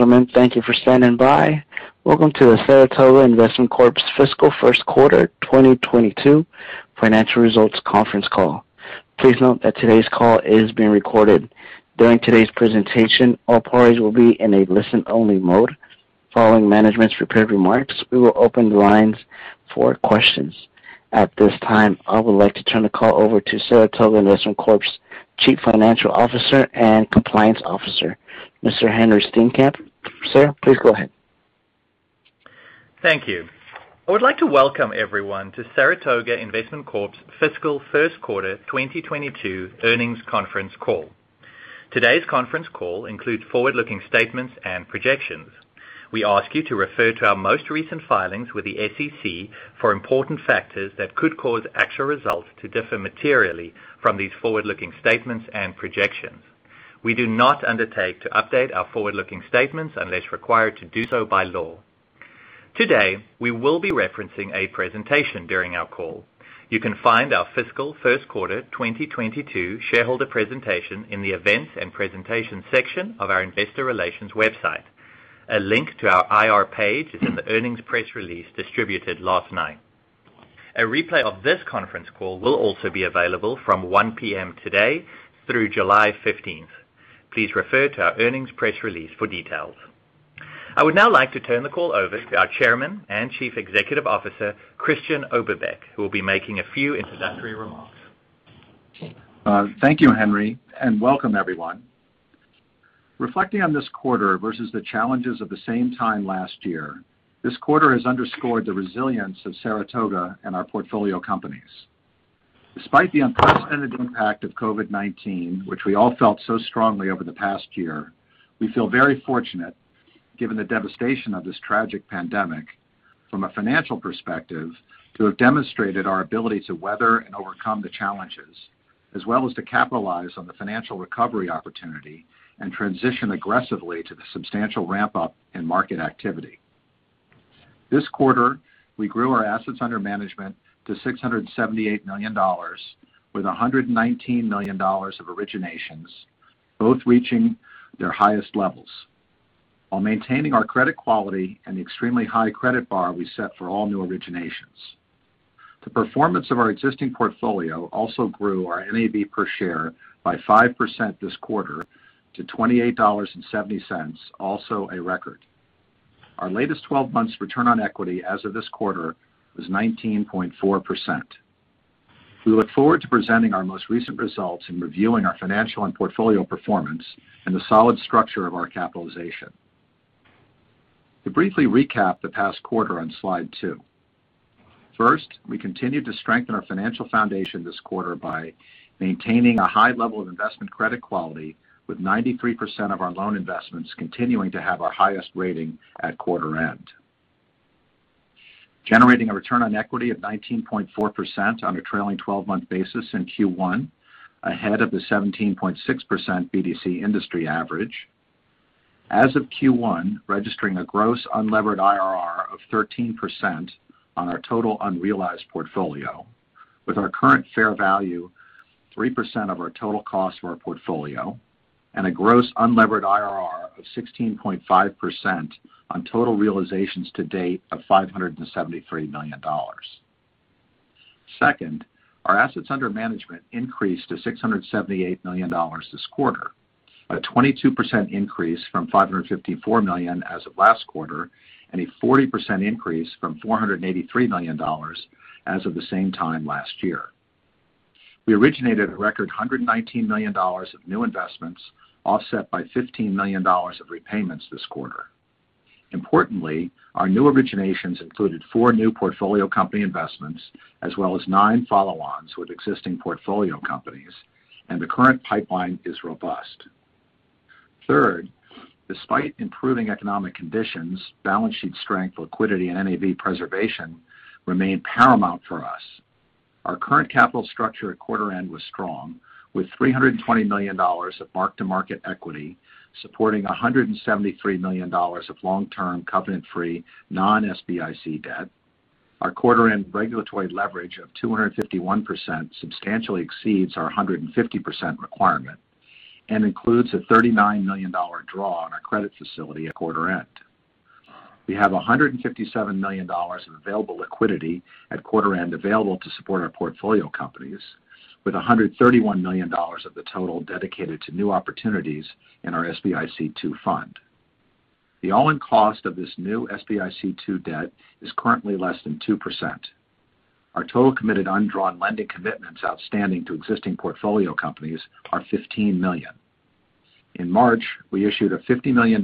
Gentlemen, thank you for standing by. Welcome to the Saratoga Investment Corp's Fiscal First Quarter 2022 Financial Results Conference Call. Please note that today's call is being recorded. During today's presentation, all parties will be in a listen-only mode. Following management's prepared remarks, we will open the lines for questions. At this time, I would like to turn the call over to Saratoga Investment Corp's Chief Financial Officer and Compliance Officer, Mr. Henri Steenkamp. Sir, please go ahead. Thank you. I would like to welcome everyone to Saratoga Investment Corp.'s Fiscal First Quarter 2022 Earnings Conference Call. Today's conference call includes forward-looking statements and projections. We ask you to refer to our most recent filings with the SEC for important factors that could cause actual results to differ materially from these forward-looking statements and projections. We do not undertake to update our forward-looking statements unless required to do so by law. Today, we will be referencing a presentation during our call. You can find our fiscal first quarter 2022 shareholder presentation in the Events and Presentation section of our investor relations website. A link to our IR page is in the earnings press release distributed last night. A replay of this conference call will also be available from 1:00 P.M. today through July 15th. Please refer to our earnings press release for details. I would now like to turn the call over to our Chairman and Chief Executive Officer, Christian Oberbeck, who will be making a few introductory remarks. Thank you, Henri, and welcome everyone. Reflecting on this quarter versus the challenges of the same time last year, this quarter has underscored the resilience of Saratoga and our portfolio companies. Despite the unprecedented impact of COVID-19, which we all felt so strongly over the past year, we feel very fortunate, given the devastation of this tragic pandemic, from a financial perspective, to have demonstrated our ability to weather and overcome the challenges as well as to capitalize on the financial recovery opportunity and transition aggressively to the substantial ramp-up in market activity. This quarter, we grew our assets under management to $678 million, with $119 million of originations, both reaching their highest levels while maintaining our credit quality and extremely high credit bar we set for all new originations. The performance of our existing portfolio also grew our NAV per share by 5% this quarter to $28.70, also a record. Our latest 12 months return on equity as of this quarter was 19.4%. We look forward to presenting our most recent results and reviewing our financial and portfolio performance and the solid structure of our capitalization. To briefly recap the past quarter on slide two. First, we continued to strengthen our financial foundation this quarter by maintaining a high level of investment credit quality with 93% of our loan investments continuing to have our highest rating at quarter end. Generating a return on equity of 19.4% on a trailing 12-month basis in Q1, ahead of the 17.6% BDC industry average. As of Q1, registering a gross unlevered IRR of 13% on our total unrealized portfolio, with our current fair value, 3% of our total cost of our portfolio, and a gross unlevered IRR of 16.5% on total realizations to date of $573 million. Second, our assets under management increased to $678 million this quarter, a 22% increase from $554 million as of last quarter, and a 40% increase from $483 million as of the same time last year. We originated a record $119 million of new investments, offset by $15 million of repayments this quarter. Importantly, our new originations included four new portfolio company investments as well as nine follow-ons with existing portfolio companies, and the current pipeline is robust. Third, despite improving economic conditions, balance sheet strength, liquidity, and NAV preservation remain paramount for us. Our current capital structure at quarter end was strong, with $320 million of mark-to-market equity supporting $173 million of long-term covenant-free non-SBIC debt. Our quarter-end regulatory leverage of 251% substantially exceeds our 150% requirement and includes a $39 million draw on our credit facility at quarter end. We have $157 million of available liquidity at quarter end available to support our portfolio companies, with $131 million of the total dedicated to new opportunities in our SBIC II fund. The all-in cost of this new SBIC II debt is currently less than 2%. Our total committed undrawn lending commitments outstanding to existing portfolio companies are $15 million. In March, we issued a $50 million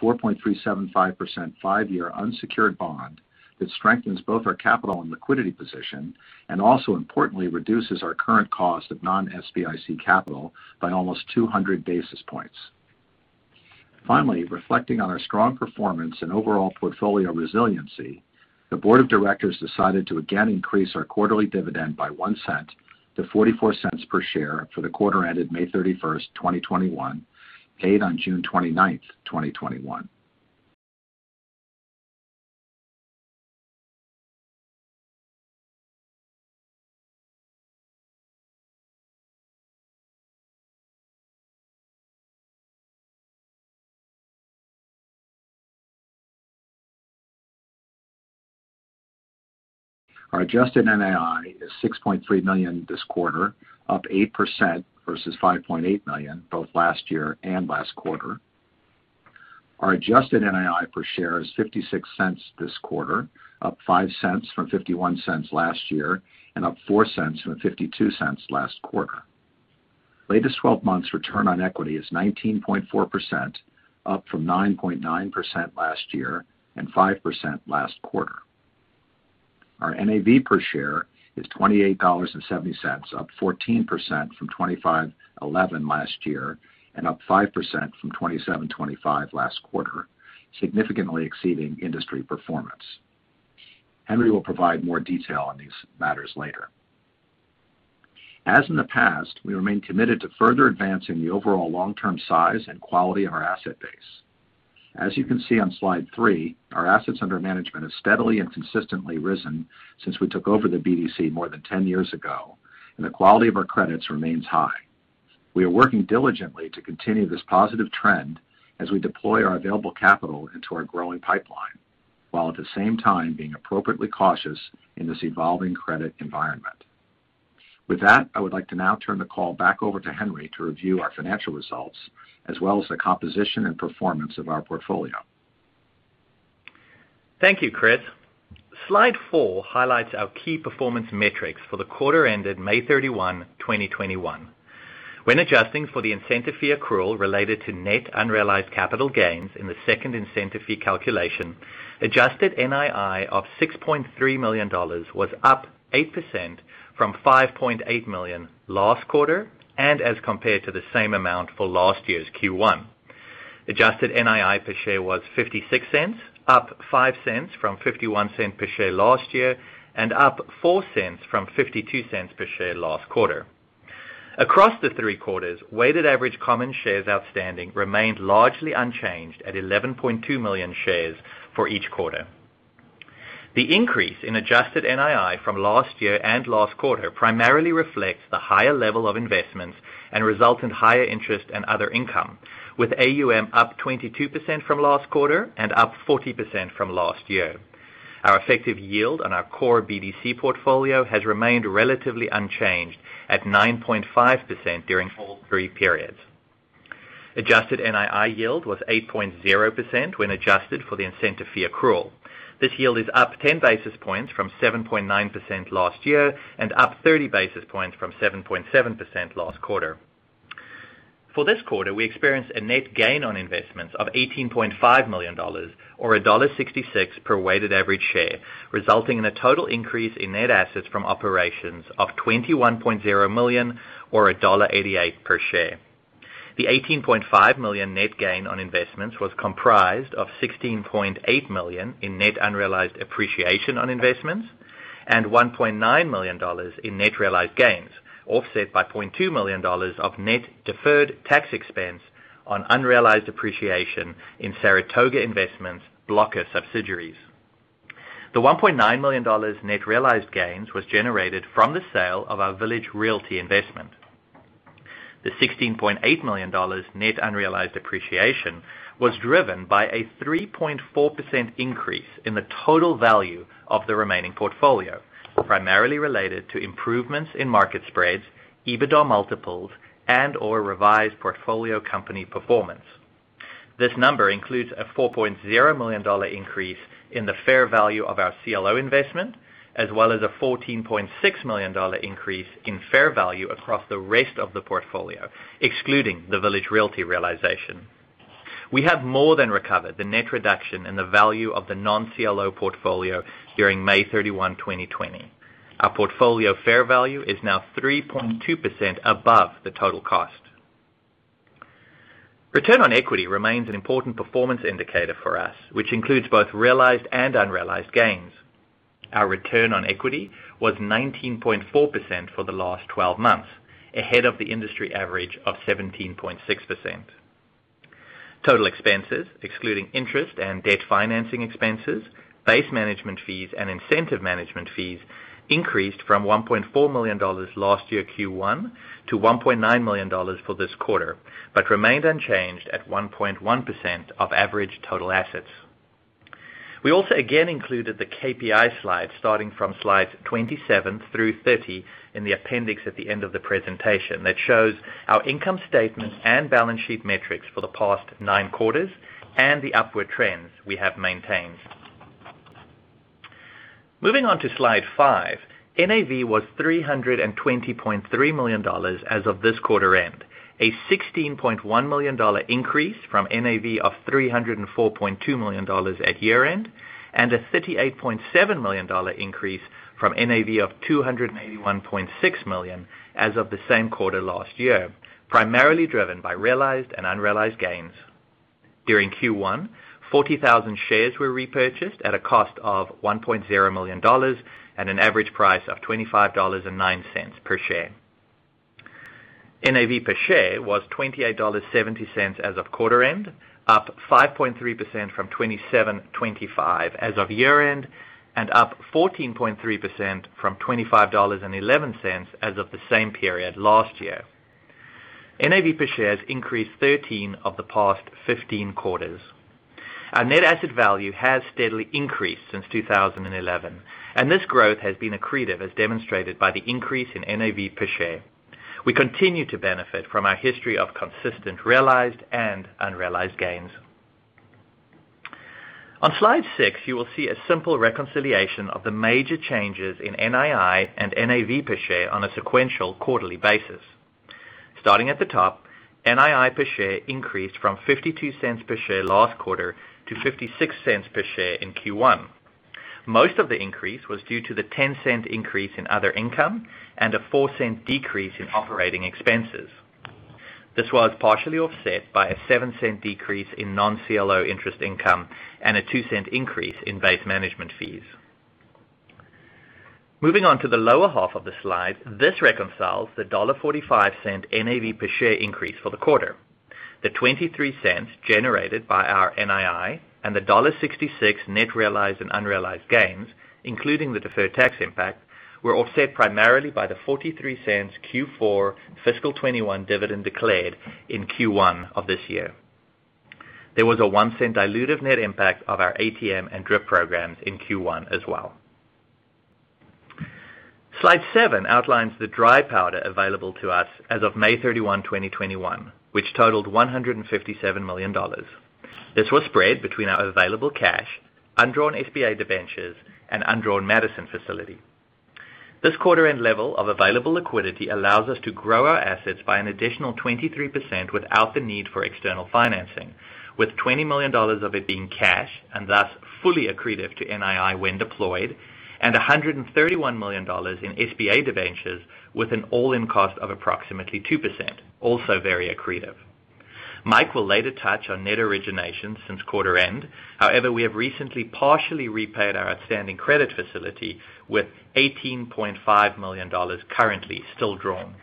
4.375% five-year unsecured bond that strengthens both our capital and liquidity position and also importantly reduces our current cost of non-SBIC capital by almost 200 basis points. Reflecting on our strong performance and overall portfolio resiliency, the Board of Directors decided to again increase our quarterly dividend by $0.01 to $0.44 per share for the quarter ended May 31st, 2021, paid on June 29th, 2021. Our adjusted NII is $6.3 million this quarter, up 8% versus $5.8 million both last year and last quarter. Our adjusted NII per share is $0.56 this quarter, up $0.05 from $0.51 last year and up $0.04 from $0.52 last quarter. Latest 12 months return on equity is 19.4%, up from 9.9% last year and 5% last quarter. Our NAV per share is $28.70, up 14% from $25.11 last year and up 5% from $27.25 last quarter, significantly exceeding industry performance. Henri will provide more detail on these matters later. As in the past, we remain committed to further advancing the overall long-term size and quality of our asset base. As you can see on slide three, our assets under management has steadily and consistently risen since we took over the BDC more than 10 years ago, and the quality of our credits remains high. We are working diligently to continue this positive trend as we deploy our available capital into our growing pipeline, while at the same time being appropriately cautious in this evolving credit environment. With that, I would like to now turn the call back over to Henri to review our financial results as well as the composition and performance of our portfolio. Thank you, Chris. Slide four highlights our key performance metrics for the quarter ended May 31, 2021. When adjusting for the incentive fee accrual related to net unrealized capital gains in the second incentive fee calculation, adjusted NII of $6.3 million was up 8% from $5.8 million last quarter, and as compared to the same amount for last year's Q1. Adjusted NII per share was $0.56, up $0.05 from $0.51 per share last year, and up $0.04 from $0.52 per share last quarter. Across the three quarters, weighted average common shares outstanding remained largely unchanged at 11.2 million shares for each quarter. The increase in adjusted NII from last year and last quarter primarily reflects the higher level of investments and result in higher interest and other income. With AUM up 22% from last quarter and up 40% from last year. Our effective yield on our core BDC portfolio has remained relatively unchanged at 9.5% during all three periods. Adjusted NII yield was 8.0% when adjusted for the incentive fee accrual. This yield is up 10 basis points from 7.9% last year and up 30 basis points from 7.7% last quarter. For this quarter, we experienced a net gain on investments of $18.5 million or $1.66 per weighted average share, resulting in a total increase in net assets from operations of $21.0 million or $1.88 per share. The $18.5 million net gain on investments was comprised of $16.8 million in net unrealized appreciation on investments and $1.9 million in net realized gains, offset by $0.2 million of net deferred tax expense on unrealized appreciation in Saratoga Investment's blocker subsidiaries. The $1.9 million net realized gains was generated from the sale of our Village Realty investment. The $16.8 million net unrealized appreciation was driven by a 3.4% increase in the total value of the remaining portfolio, primarily related to improvements in market spreads, EBITDA multiples, and/or revised portfolio company performance. This number includes a $4.0 million increase in the fair value of our CLO investment, as well as a $14.6 million increase in fair value across the rest of the portfolio, excluding the Village Realty realization. We have more than recovered the net reduction in the value of the non-CLO portfolio during May 31, 2020. Our portfolio fair value is now 3.2% above the total cost. Return on equity remains an important performance indicator for us, which includes both realized and unrealized gains. Our return on equity was 19.4% for the last 12 months, ahead of the industry average of 17.6%. Total expenses excluding interest and debt financing expenses, base management fees, and incentive management fees increased from $1.4 million last year Q1 to $1.9 million for this quarter, but remained unchanged at 1.1% of average total assets. We also again included the KPI slide starting from slides 27 through 30 in the appendix at the end of the presentation that shows our income statement and balance sheet metrics for the past nine quarters and the upward trends we have maintained. Moving on to slide five. NAV was $320.3 million as of this quarter end, a $16.1 million increase from NAV of $304.2 million at year-end, and a $38.7 million increase from NAV of $281.6 million as of the same quarter last year, primarily driven by realized and unrealized gains. During Q1, 40,000 shares were repurchased at a cost of $1.0 million and an average price of $25.09 per share. NAV per share was $28.70 as of quarter end, up 5.3% from $27.25 as of year-end and up 14.3% from $25.11 as of the same period last year. NAV per share has increased 13 of the past 15 quarters. Our net asset value has steadily increased since 2011, and this growth has been accretive as demonstrated by the increase in NAV per share. On slide six, you will see a simple reconciliation of the major changes in NII and NAV per share on a sequential quarterly basis. Starting at the top, NII per share increased from $0.52 per share last quarter to $0.56 per share in Q1. Most of the increase was due to the $0.10 increase in other income and a $0.04 decrease in operating expenses. This was partially offset by a $0.07 decrease in non-CLO interest income and a $0.02 increase in base management fees. Moving on to the lower half of the slide, this reconciles the $1.45 NAV per share increase for the quarter. The $0.23 generated by our NII and the $1.66 net realized and unrealized gains, including the deferred tax impact, were offset primarily by the $0.43 Q4 fiscal 2021 dividend declared in Q1 of this year. There was a $0.01 dilutive net impact of our ATM and DRIP programs in Q1 as well. Slide seven outlines the dry powder available to us as of May 31, 2021, which totaled $157 million. This was spread between our available cash, undrawn SBA debentures, and undrawn Madison facility. This quarter end level of available liquidity allows us to grow our assets by an additional 23% without the need for external financing, with $20 million of it being cash and thus fully accretive to NII when deployed, and $131 million in SBA debentures with an all-in cost of approximately 2%, also very accretive. Mike will later touch on net origination since quarter end. However, we have recently partially repaid our outstanding credit facility with $18.5 million currently still drawn.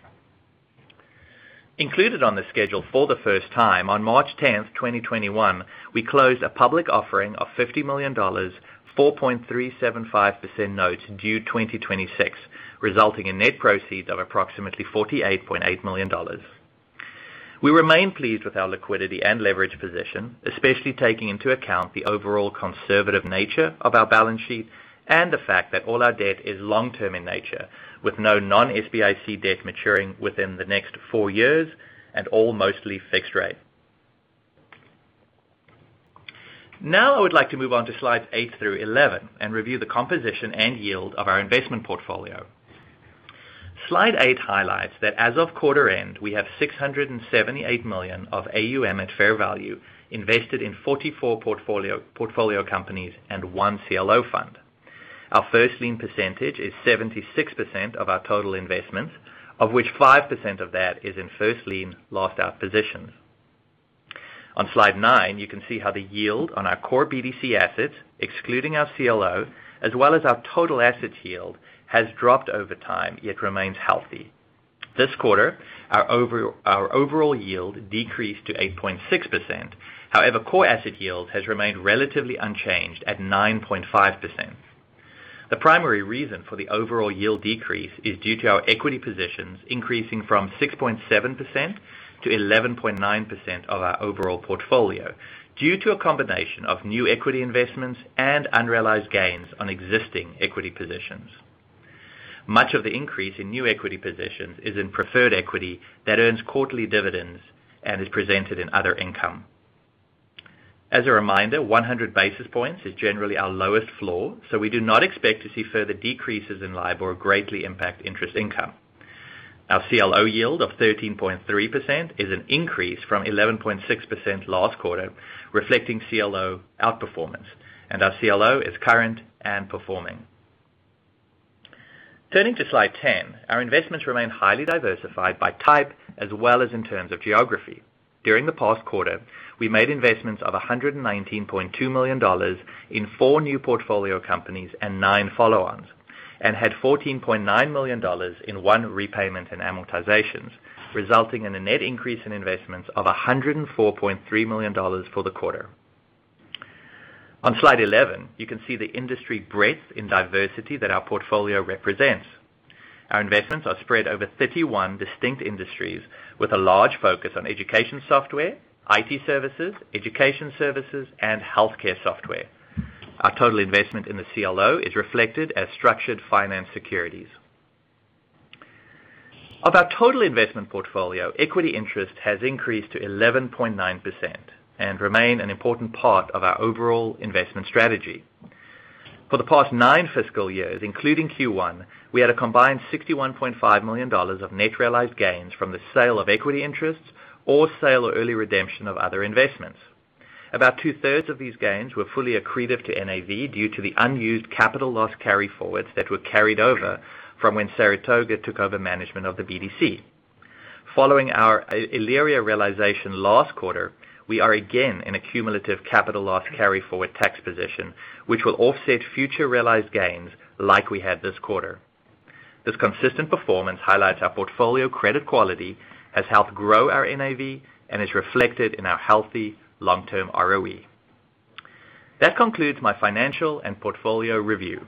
Included on the schedule for the first time, on March 10, 2021, we closed a public offering of $50 million 4.375% notes due 2026, resulting in net proceeds of approximately $48.8 million. We remain pleased with our liquidity and leverage position, especially taking into account the overall conservative nature of our balance sheet and the fact that all our debt is long-term in nature, with no non-SBIC debt maturing within the next four years and all mostly fixed rate. I would like to move on to slides eight through 11 and review the composition and yield of our investment portfolio. Slide eight highlights that as of quarter end, we have $678 million of AUM at fair value invested in 44 portfolio companies and one CLO fund. Our first lien percentage is 76% of our total investments, of which 5% of that is in first lien last-out positions. On slide nine, you can see how the yield on our core BDC assets, excluding our CLO, as well as our total assets yield, has dropped over time, yet remains healthy. This quarter, our overall yield decreased to 8.6%. However, core asset yield has remained relatively unchanged at 9.5%. The primary reason for the overall yield decrease is due to our equity positions increasing from 6.7% to 11.9% of our overall portfolio due to a combination of new equity investments and unrealized gains on existing equity positions. Much of the increase in new equity positions is in preferred equity that earns quarterly dividends and is presented in other income. As a reminder, 100 basis points is generally our lowest floor, so we do not expect to see further decreases in LIBOR greatly impact interest income. Our CLO yield of 13.3% is an increase from 11.6% last quarter, reflecting CLO outperformance, and our CLO is current and performing. Turning to slide 10, our investments remain highly diversified by type as well as in terms of geography. During the past quarter, we made investments of $119.2 million in four new portfolio companies and nine follow-ons, and had $14.9 million in one repayment and amortizations, resulting in a net increase in investments of $104.3 million for the quarter. On slide 11, you can see the industry breadth and diversity that our portfolio represents. Our investments are spread over 31 distinct industries with a large focus on education software, IT services, education services, and healthcare software. Our total investment in the CLO is reflected as structured finance securities. Of our total investment portfolio, equity interest has increased to 11.9% and remain an important part of our overall investment strategy. For the past nine fiscal years, including Q1, we had a combined $61.5 million of net realized gains from the sale of equity interests or sale or early redemption of other investments. About two-thirds of these gains were fully accretive to NAV due to the unused capital loss carryforwards that were carried over from when Saratoga took over management of the BDC. Following our Elyria realization last quarter, we are again in a cumulative capital loss carryforward tax position, which will offset future realized gains like we had this quarter. This consistent performance highlights our portfolio credit quality has helped grow our NAV and is reflected in our healthy long-term ROE. That concludes my financial and portfolio review.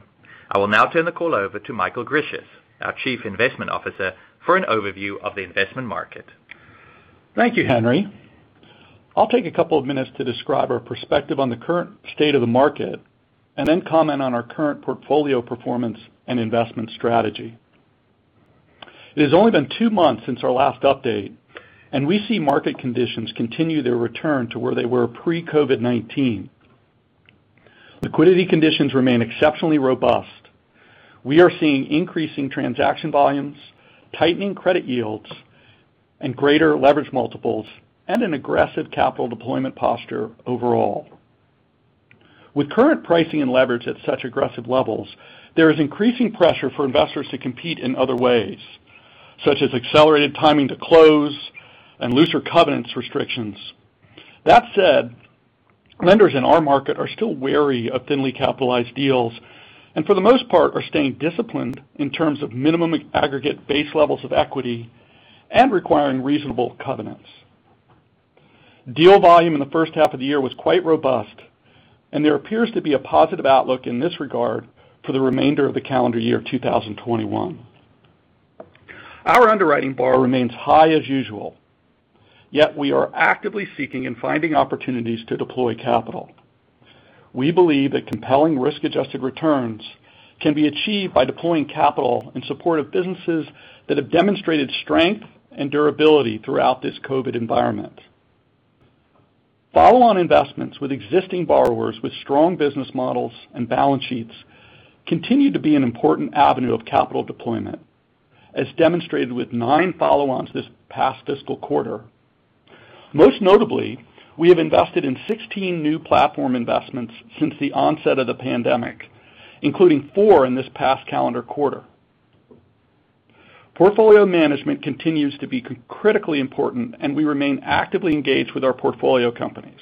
I will now turn the call over to Michael Grisius, our Chief Investment Officer, for an overview of the investment market. Thank you, Henri. I'll take a couple of minutes to describe our perspective on the current state of the market, and then comment on our current portfolio performance and investment strategy. It has only been two months since our last update, and we see market conditions continue their return to where they were pre-COVID-19. Liquidity conditions remain exceptionally robust. We are seeing increasing transaction volumes, tightening credit yields, and greater leverage multiples, and an aggressive capital deployment posture overall. With current pricing and leverage at such aggressive levels, there is increasing pressure for investors to compete in other ways, such as accelerated timing to close and looser covenants restrictions. That said, lenders in our market are still wary of thinly capitalized deals, and for the most part are staying disciplined in terms of minimum aggregate base levels of equity and requiring reasonable covenants. Deal volume in the first half of the year was quite robust, and there appears to be a positive outlook in this regard for the remainder of the calendar year 2021. Our underwriting bar remains high as usual. Yet we are actively seeking and finding opportunities to deploy capital. We believe that compelling risk-adjusted returns can be achieved by deploying capital in support of businesses that have demonstrated strength and durability throughout this COVID-19 environment. Follow-on investments with existing borrowers with strong business models and balance sheets continue to be an important avenue of capital deployment, as demonstrated with nine follow-ons this past fiscal quarter. Most notably, we have invested in 16 new platform investments since the onset of the pandemic, including four in this past calendar quarter. Portfolio management continues to be critically important, and we remain actively engaged with our portfolio companies.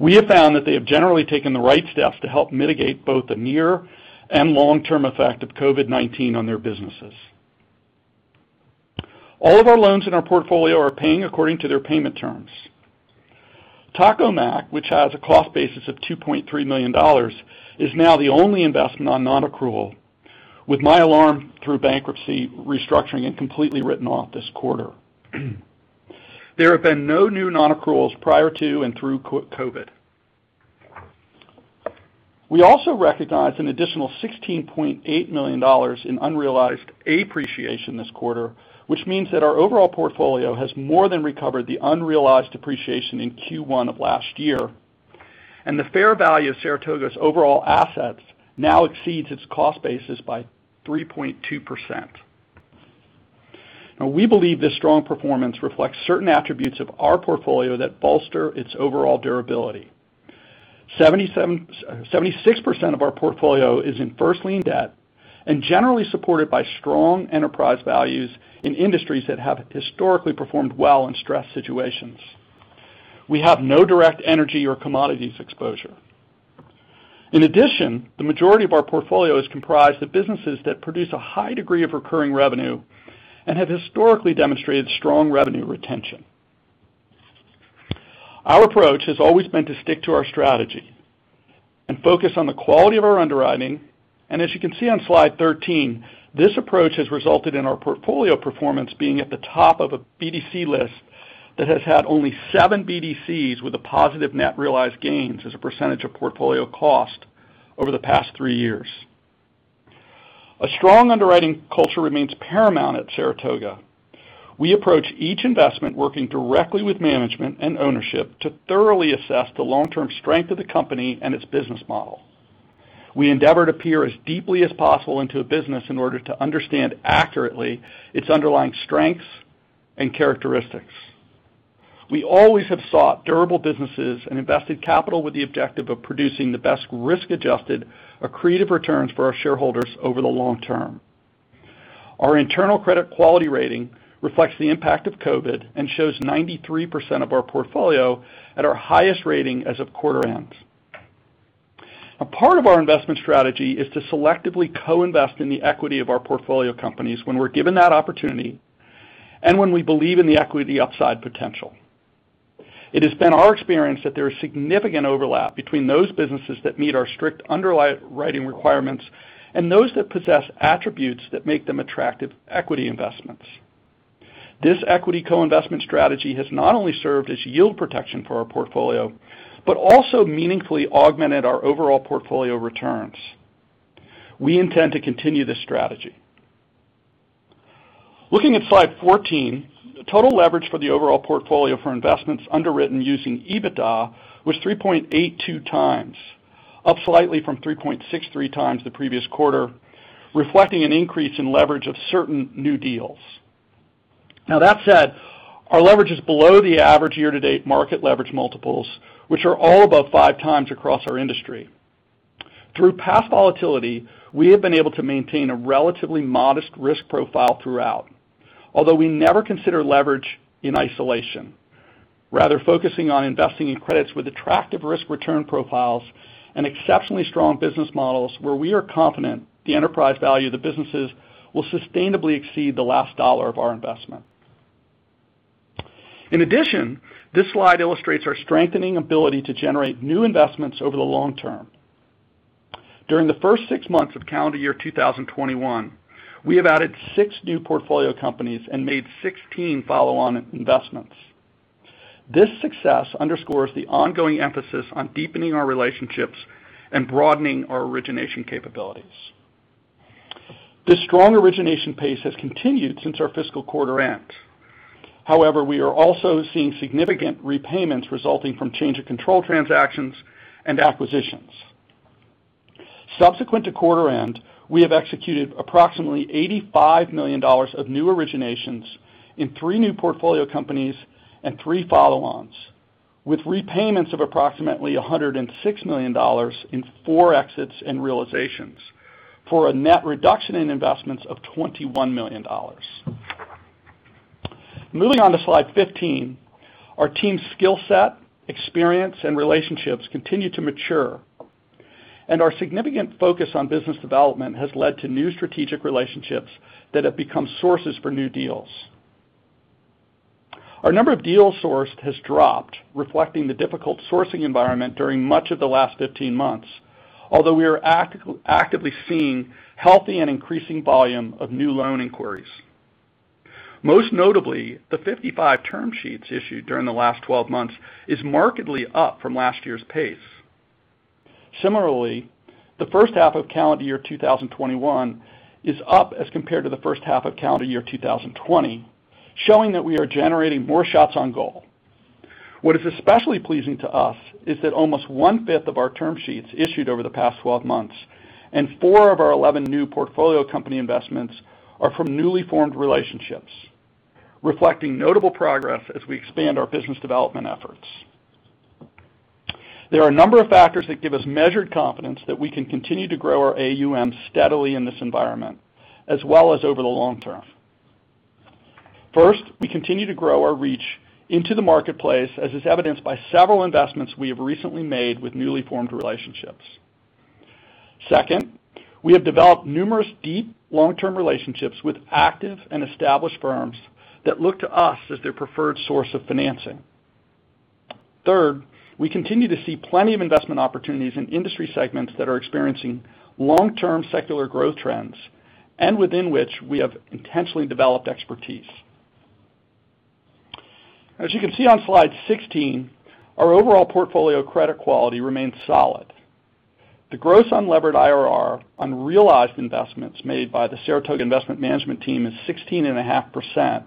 We have found that they have generally taken the right steps to help mitigate both the near and long-term effect of COVID-19 on their businesses. All of our loans in our portfolio are paying according to their payment terms. Taco Mac, which has a cost basis of $2.3 million, is now the only investment on non-accrual, with My Alarm, through bankruptcy, restructuring and completely written off this quarter. There have been no new non-accruals prior to and through COVID. We also recognized an additional $16.8 million in unrealized appreciation this quarter, which means that our overall portfolio has more than recovered the unrealized appreciation in Q1 of last year. The fair value of Saratoga's overall assets now exceeds its cost basis by 3.2%. We believe this strong performance reflects certain attributes of our portfolio that bolster its overall durability. 76% of our portfolio is in first lien debt and generally supported by strong enterprise values in industries that have historically performed well in stress situations. We have no direct energy or commodities exposure. In addition, the majority of our portfolio is comprised of businesses that produce a high degree of recurring revenue and have historically demonstrated strong revenue retention. Our approach has always been to stick to our strategy and focus on the quality of our underwriting. As you can see on slide 13, this approach has resulted in our portfolio performance being at the top of a BDC list that has had only seven BDCs with a positive net realized gains as a percentage of portfolio cost over the past three years. A strong underwriting culture remains paramount at Saratoga. We approach each investment working directly with management and ownership to thoroughly assess the long-term strength of the company and its business model. We endeavor to peer as deeply as possible into a business in order to understand accurately its underlying strengths and characteristics. We always have sought durable businesses and invested capital with the objective of producing the best risk-adjusted accretive returns for our shareholders over the long term. Our internal credit quality rating reflects the impact of COVID and shows 93% of our portfolio at our highest rating as of quarter end. A part of our investment strategy is to selectively co-invest in the equity of our portfolio companies when we're given that opportunity and when we believe in the equity upside potential. It has been our experience that there is significant overlap between those businesses that meet our strict underwriting requirements and those that possess attributes that make them attractive equity investments. This equity co-investment strategy has not only served as yield protection for our portfolio, but also meaningfully augmented our overall portfolio returns. We intend to continue this strategy. Looking at slide 14, total leverage for the overall portfolio for investments underwritten using EBITDA was 3.82x, up slightly from 3.63x the previous quarter, reflecting an increase in leverage of certain new deals. That said, our leverage is below the average year-to-date market leverage multiples, which are all above 5x across our industry. Through past volatility, we have been able to maintain a relatively modest risk profile throughout. Although we never consider leverage in isolation, rather focusing on investing in credits with attractive risk-return profiles and exceptionally strong business models where we are confident the enterprise value of the businesses will sustainably exceed the last dollar of our investment. This slide illustrates our strengthening ability to generate new investments over the long term. During the first six months of calendar year 2021, we have added six new portfolio companies and made 16 follow-on investments. This success underscores the ongoing emphasis on deepening our relationships and broadening our origination capabilities. This strong origination pace has continued since our fiscal quarter end. We are also seeing significant repayments resulting from change of control transactions and acquisitions. Subsequent to quarter end, we have executed approximately $85 million of new originations in three new portfolio companies and three follow-ons, with repayments of approximately $106 million in four exits and realizations, for a net reduction in investments of $21 million. Moving on to slide 15. Our team's skillset, experience, and relationships continue to mature. Our significant focus on business development has led to new strategic relationships that have become sources for new deals. Our number of deals sourced has dropped, reflecting the difficult sourcing environment during much of the last 15 months, although we are actively seeing healthy and increasing volume of new loan inquiries. Most notably, the 55 term sheets issued during the last 12 months is markedly up from last year's pace. Similarly, the first half of calendar year 2021 is up as compared to the first half of calendar year 2020, showing that we are generating more shots on goal. What is especially pleasing to us is that almost one-fifth of our term sheets issued over the past 12 months and 11 of our 12 new portfolio company investments are from newly formed relationships, reflecting notable progress as we expand our business development efforts. There are a number of factors that give us measured confidence that we can continue to grow our AUM steadily in this environment, as well as over the long term. First, we continue to grow our reach into the marketplace, as is evidenced by several investments we have recently made with newly formed relationships. Second, we have developed numerous deep, long-term relationships with active and established firms that look to us as their preferred source of financing. Third, we continue to see plenty of investment opportunities in industry segments that are experiencing long-term secular growth trends and within which we have intentionally developed expertise. As you can see on slide 16, our overall portfolio credit quality remains solid. The gross unlevered IRR on realized investments made by the Saratoga Investment management team is 16.5%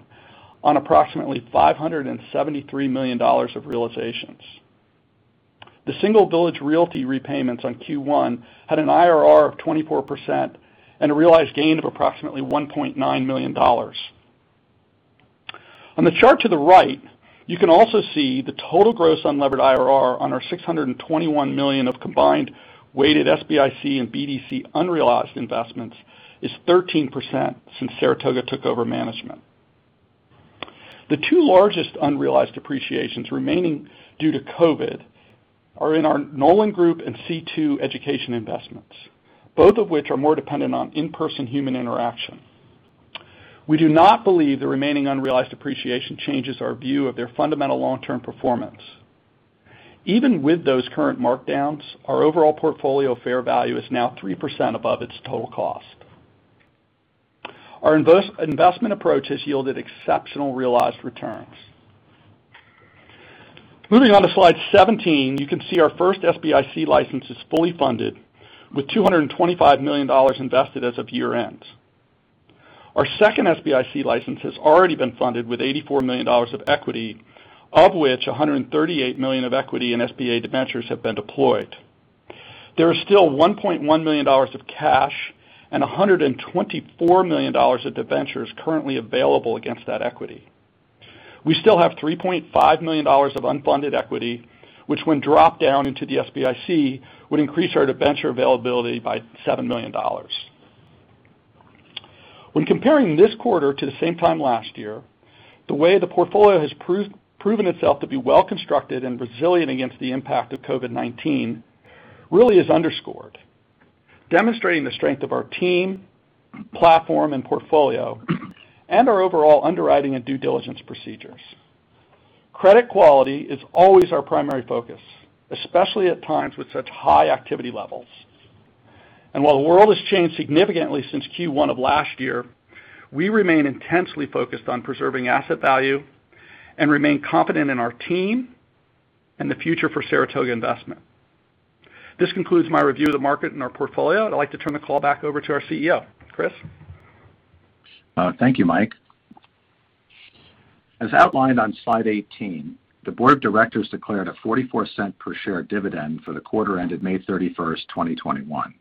on approximately $573 million of realizations. The single Village Realty repayments on Q1 had an IRR of 24% and a realized gain of approximately $1.9 million. On the chart to the right, you can also see the total gross unlevered IRR on our $621 million of combined weighted SBIC and BDC unrealized investments is 13% since Saratoga took over management. The two largest unrealized depreciations remaining due to COVID are in our Knowland Group and C2 Education investments, both of which are more dependent on in-person human interaction. We do not believe the remaining unrealized depreciation changes our view of their fundamental long-term performance. Even with those current markdowns, our overall portfolio fair value is now 3% above its total cost. Our investment approach has yielded exceptional realized returns. Moving on to slide 17, you can see our first SBIC license is fully funded with $225 million invested as of year-end. Our second SBIC license has already been funded with $84 million of equity, of which $138 million of equity and SBA debentures have been deployed. There is still $1.1 million of cash and $124 million of debentures currently available against that equity. We still have $3.5 million of unfunded equity, which when dropped down into the SBIC, would increase our debenture availability by $7 million. When comparing this quarter to the same time last year, the way the portfolio has proven itself to be well-constructed and resilient against the impact of COVID-19 really is underscored, demonstrating the strength of our team, platform, and portfolio, and our overall underwriting and due diligence procedures. Credit quality is always our primary focus, especially at times with such high activity levels. While the world has changed significantly since Q1 of last year, we remain intensely focused on preserving asset value and remain confident in our team and the future for Saratoga Investment. This concludes my review of the market and our portfolio. I'd like to turn the call back over to our CEO. Chris? Thank you, Mike. As outlined on slide 18, the board of directors declared a $0.44 per share dividend for the quarter ended May 31st, 2021.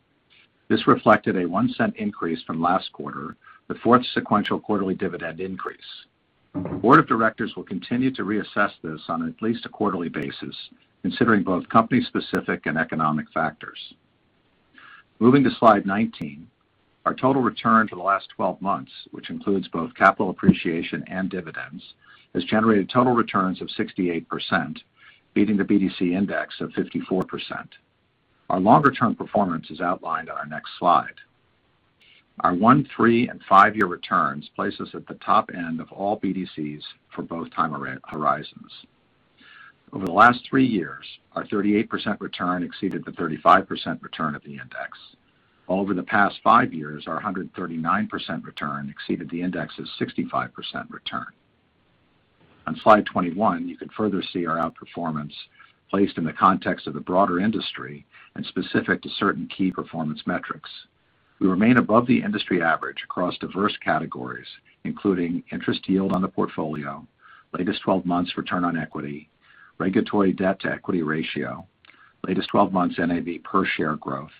This reflected a $0.01 increase from last quarter, the fourth sequential quarterly dividend increase. The Board of Directors will continue to reassess this on at least a quarterly basis, considering both company-specific and economic factors. Moving to slide 19. Our total return for the last 12 months, which includes both capital appreciation and dividends, has generated total returns of 68%, beating the BDC index of 54%. Our longer-term performance is outlined on our next slide. Our one, three, and five-year returns place us at the top end of all BDCs for both time horizons. Over the last three years, our 38% return exceeded the 35% return of the index. Over the past five years, our 139% return exceeded the index's 65% return. On slide 21, you can further see our outperformance placed in the context of the broader industry and specific to certain key performance metrics. We remain above the industry average across diverse categories, including interest yield on the portfolio, latest 12 months return on equity, regulatory debt to equity ratio, latest 12 months NAV per share growth,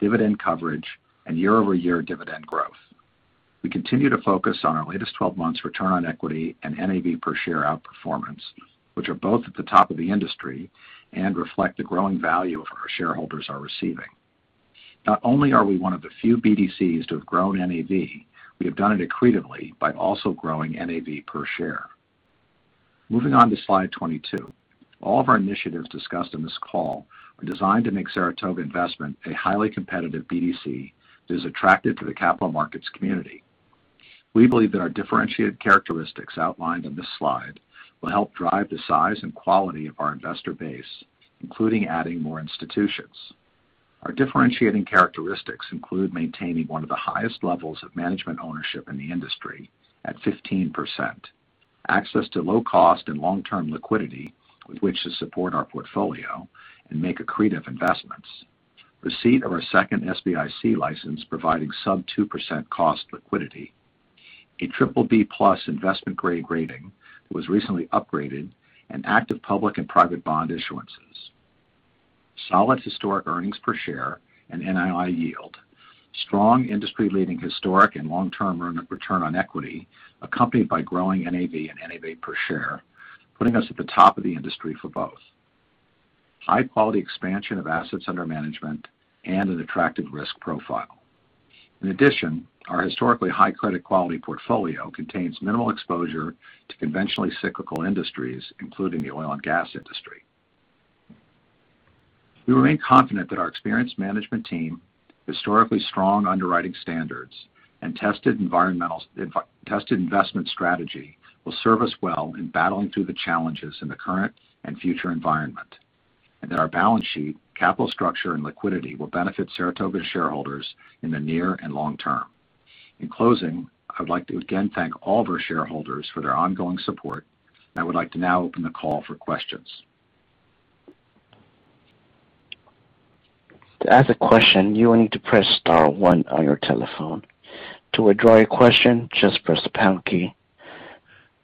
dividend coverage, and year-over-year dividend growth. We continue to focus on our latest 12 months return on equity and NAV per share outperformance, which are both at the top of the industry and reflect the growing value our shareholders are receiving. Not only are we one of the few BDCs to have grown NAV, we have done it accretively by also growing NAV per share. Moving on to slide 22. All of our initiatives discussed in this call are designed to make Saratoga Investment a highly competitive BDC that is attractive to the capital markets community. We believe that our differentiated characteristics outlined in this slide will help drive the size and quality of our investor base, including adding more institutions. Our differentiating characteristics include maintaining one of the highest levels of management ownership in the industry at 15%, access to low cost and long-term liquidity with which to support our portfolio and make accretive investments. Receipt of our second SBIC license providing sub 2% cost liquidity. A BBB+ investment grade rating was recently upgraded, active public and private bond issuances. Solid historic earnings per share and NII yield. Strong industry-leading historic and long-term return on equity, accompanied by growing NAV and NAV per share, putting us at the top of the industry for both. High-quality expansion of assets under management and an attractive risk profile. Our historically high credit quality portfolio contains minimal exposure to conventionally cyclical industries, including the oil and gas industry. We remain confident that our experienced management team, historically strong underwriting standards, and tested investment strategy will serve us well in battling through the challenges in the current and future environment. That our balance sheet, capital structure, and liquidity will benefit Saratoga shareholders in the near and long term. In closing, I would like to again thank all of our shareholders for their ongoing support, and I would like to now open the call for questions. To ask a question you will need to press star one on your telephone. To withdraw your question just press pound key.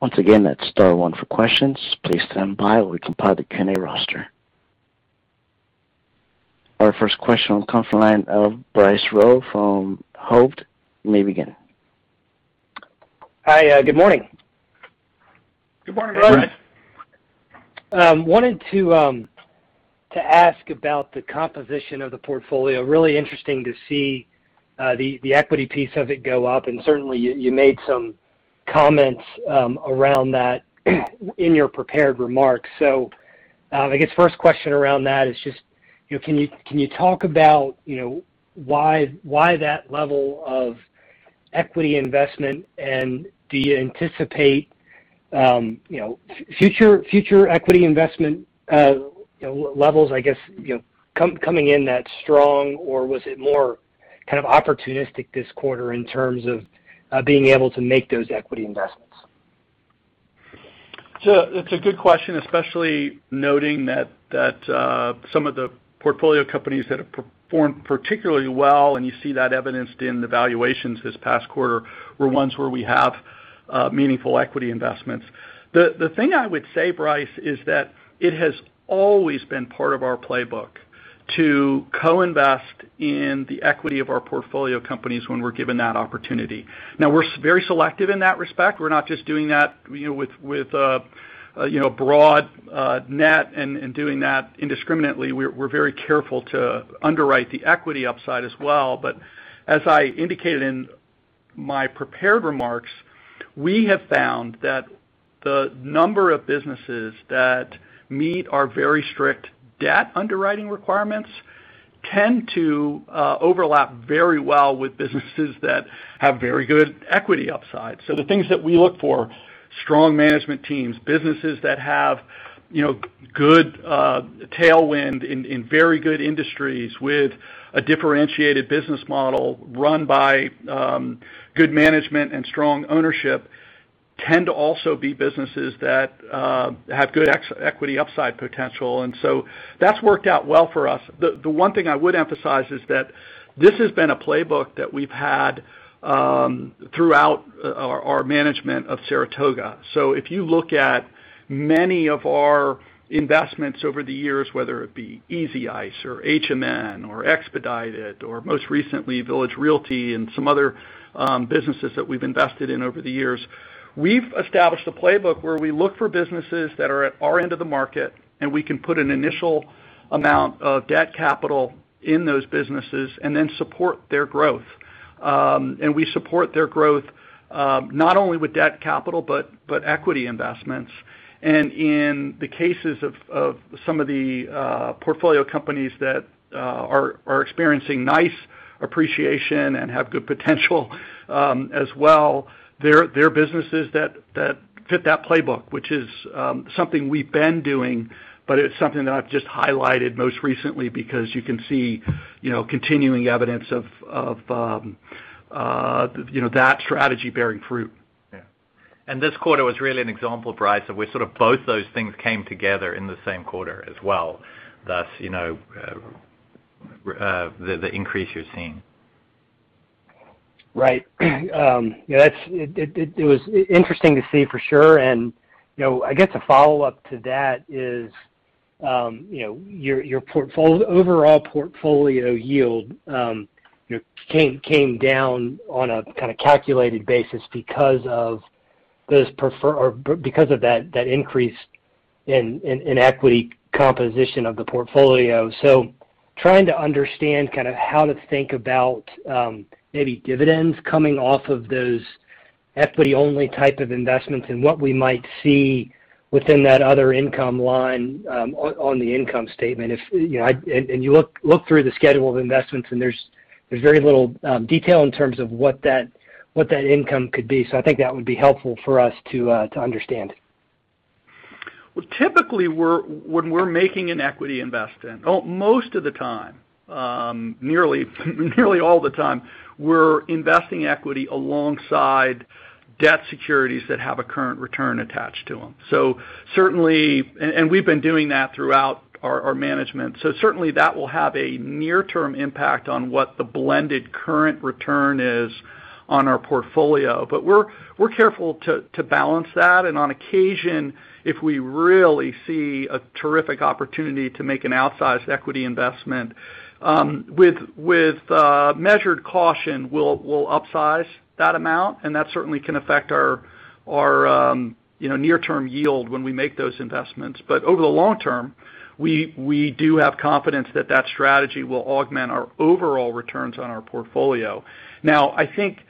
Once again, star one for questions. Please stand by while we compile the Q&A roster. Our first question will come from the line of Bryce Rowe from Hovde. You may begin. Hi. Good morning. Good morning. Good morning, Bryce. Wanted to ask about the composition of the portfolio. Really interesting to see the equity piece of it go up, and certainly you made some comments around that in your prepared remarks. I guess first question around that is just can you talk about why that level of equity investment and do you anticipate future equity investment levels, I guess, coming in that strong or was it more kind of opportunistic this quarter in terms of being able to make those equity investments? That's a good question, especially noting that some of the portfolio companies that have performed particularly well, and you see that evidenced in the valuations this past quarter, were ones where we have meaningful equity investments. The thing I would say, Bryce, is that it has always been part of our playbook to co-invest in the equity of our portfolio companies when we're given that opportunity. We're very selective in that respect. We're not just doing that with a broad net and doing that indiscriminately. We're very careful to underwrite the equity upside as well. As I indicated in my prepared remarks, we have found that the number of businesses that meet our very strict debt underwriting requirements tend to overlap very well with businesses that have very good equity upside. The things that we look for, strong management teams, businesses that have good tailwind in very good industries with a differentiated business model run by good management and strong ownership tend to also be businesses that have good equity upside potential. That's worked out well for us. The one thing I would emphasize is that this has been a playbook that we've had throughout our management of Saratoga. If you look at many of our investments over the years, whether it be Easy Ice or HMN or Expedited or most recently Village Realty and some other businesses that we've invested in over the years, we've established a playbook where we look for businesses that are at our end of the market, and we can put an initial amount of debt capital in those businesses and then support their growth. We support their growth, not only with debt capital, but equity investments. In the cases of some of the portfolio companies that are experiencing nice appreciation and have good potential as well. They're businesses that fit that playbook, which is something we've been doing, but it's something that I've just highlighted most recently because you can see continuing evidence of that strategy bearing fruit. Yeah. This quarter was really an example, Bryce, of both those things came together in the same quarter as well, thus the increase you're seeing. Right. It was interesting to see for sure. I guess a follow-up to that is your overall portfolio yield came down on a calculated basis because of that increase in equity composition of the portfolio. Trying to understand how to think about any dividends coming off of those equity-only type of investments and what we might see within that other income line on the income statement. You look through the schedule of investments, and there's very little detail in terms of what that income could be. I think that would be helpful for us to understand. Typically, when we're making an equity investment, most of the time, nearly all the time, we're investing equity alongside debt securities that have a current return attached to them. We've been doing that throughout our management. Certainly that will have a near-term impact on what the blended current return is on our portfolio. We're careful to balance that. On occasion, if we really see a terrific opportunity to make an outsized equity investment, with measured caution, we'll upsize that amount, and that certainly can affect our near-term yield when we make those investments. Over the long term, we do have confidence that that strategy will augment our overall returns on our portfolio. Now, I think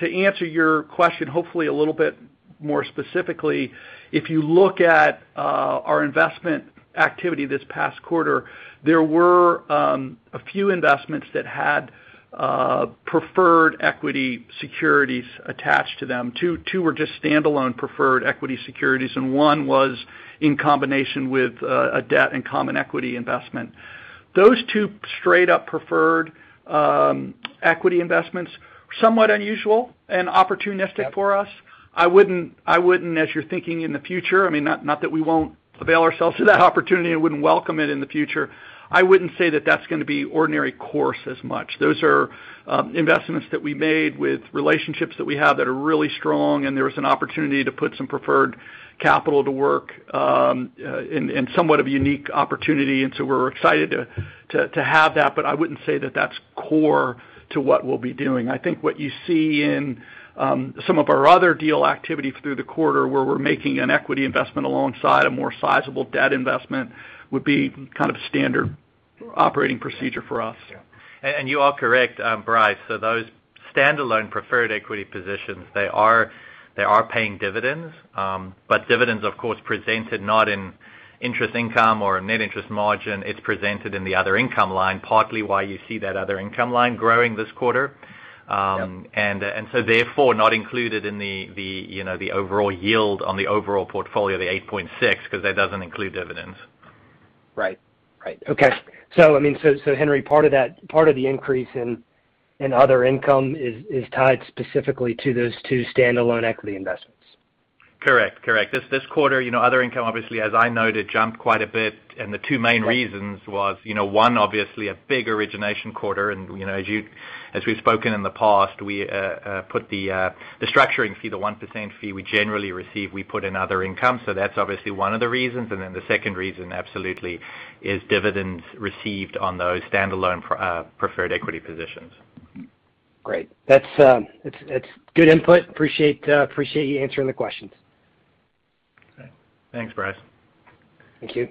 to answer your question hopefully a little bit more specifically, if you look at our investment activity this past quarter, there were a few investments that had preferred equity securities attached to them. Two were just standalone preferred equity securities, and one was in combination with a debt and common equity investment. Those two straight-up preferred equity investments were somewhat unusual and opportunistic for us. As you're thinking in the future, not that we won't avail ourselves to that opportunity and wouldn't welcome it in the future, I wouldn't say that that's going to be ordinary course as much. Those are investments that we made with relationships that we have that are really strong, and there was an opportunity to put some preferred capital to work in somewhat of a unique opportunity. We're excited to have that, but I wouldn't say that that's core to what we'll be doing. I think what you see in some of our other deal activity through the quarter where we're making an equity investment alongside a more sizable debt investment would be standard operating procedure for us. Yeah. You are correct, Bryce. Those standalone preferred equity positions they are paying dividends. Dividends, of course, presented not in interest income or a net interest margin. It's presented in the other income line, partly why you see that other income line growing this quarter. Yep. Therefore not included in the overall yield on the overall portfolio, the 8.6% because that doesn't include dividends. Right. Okay. Henri, part of the increase in other income is tied specifically to those two standalone equity investments? Correct. This quarter, other income obviously, as I noted, jumped quite a bit. The two main reasons was one, obviously a big origination quarter. As we've spoken in the past, the structuring fee, the 1% fee we generally receive, we put in other income. That's obviously one of the reasons. The second reason absolutely is dividends received on those standalone preferred equity positions. Great. That's good input. Appreciate you answering the questions. Okay. Thanks, Bryce. Thank you.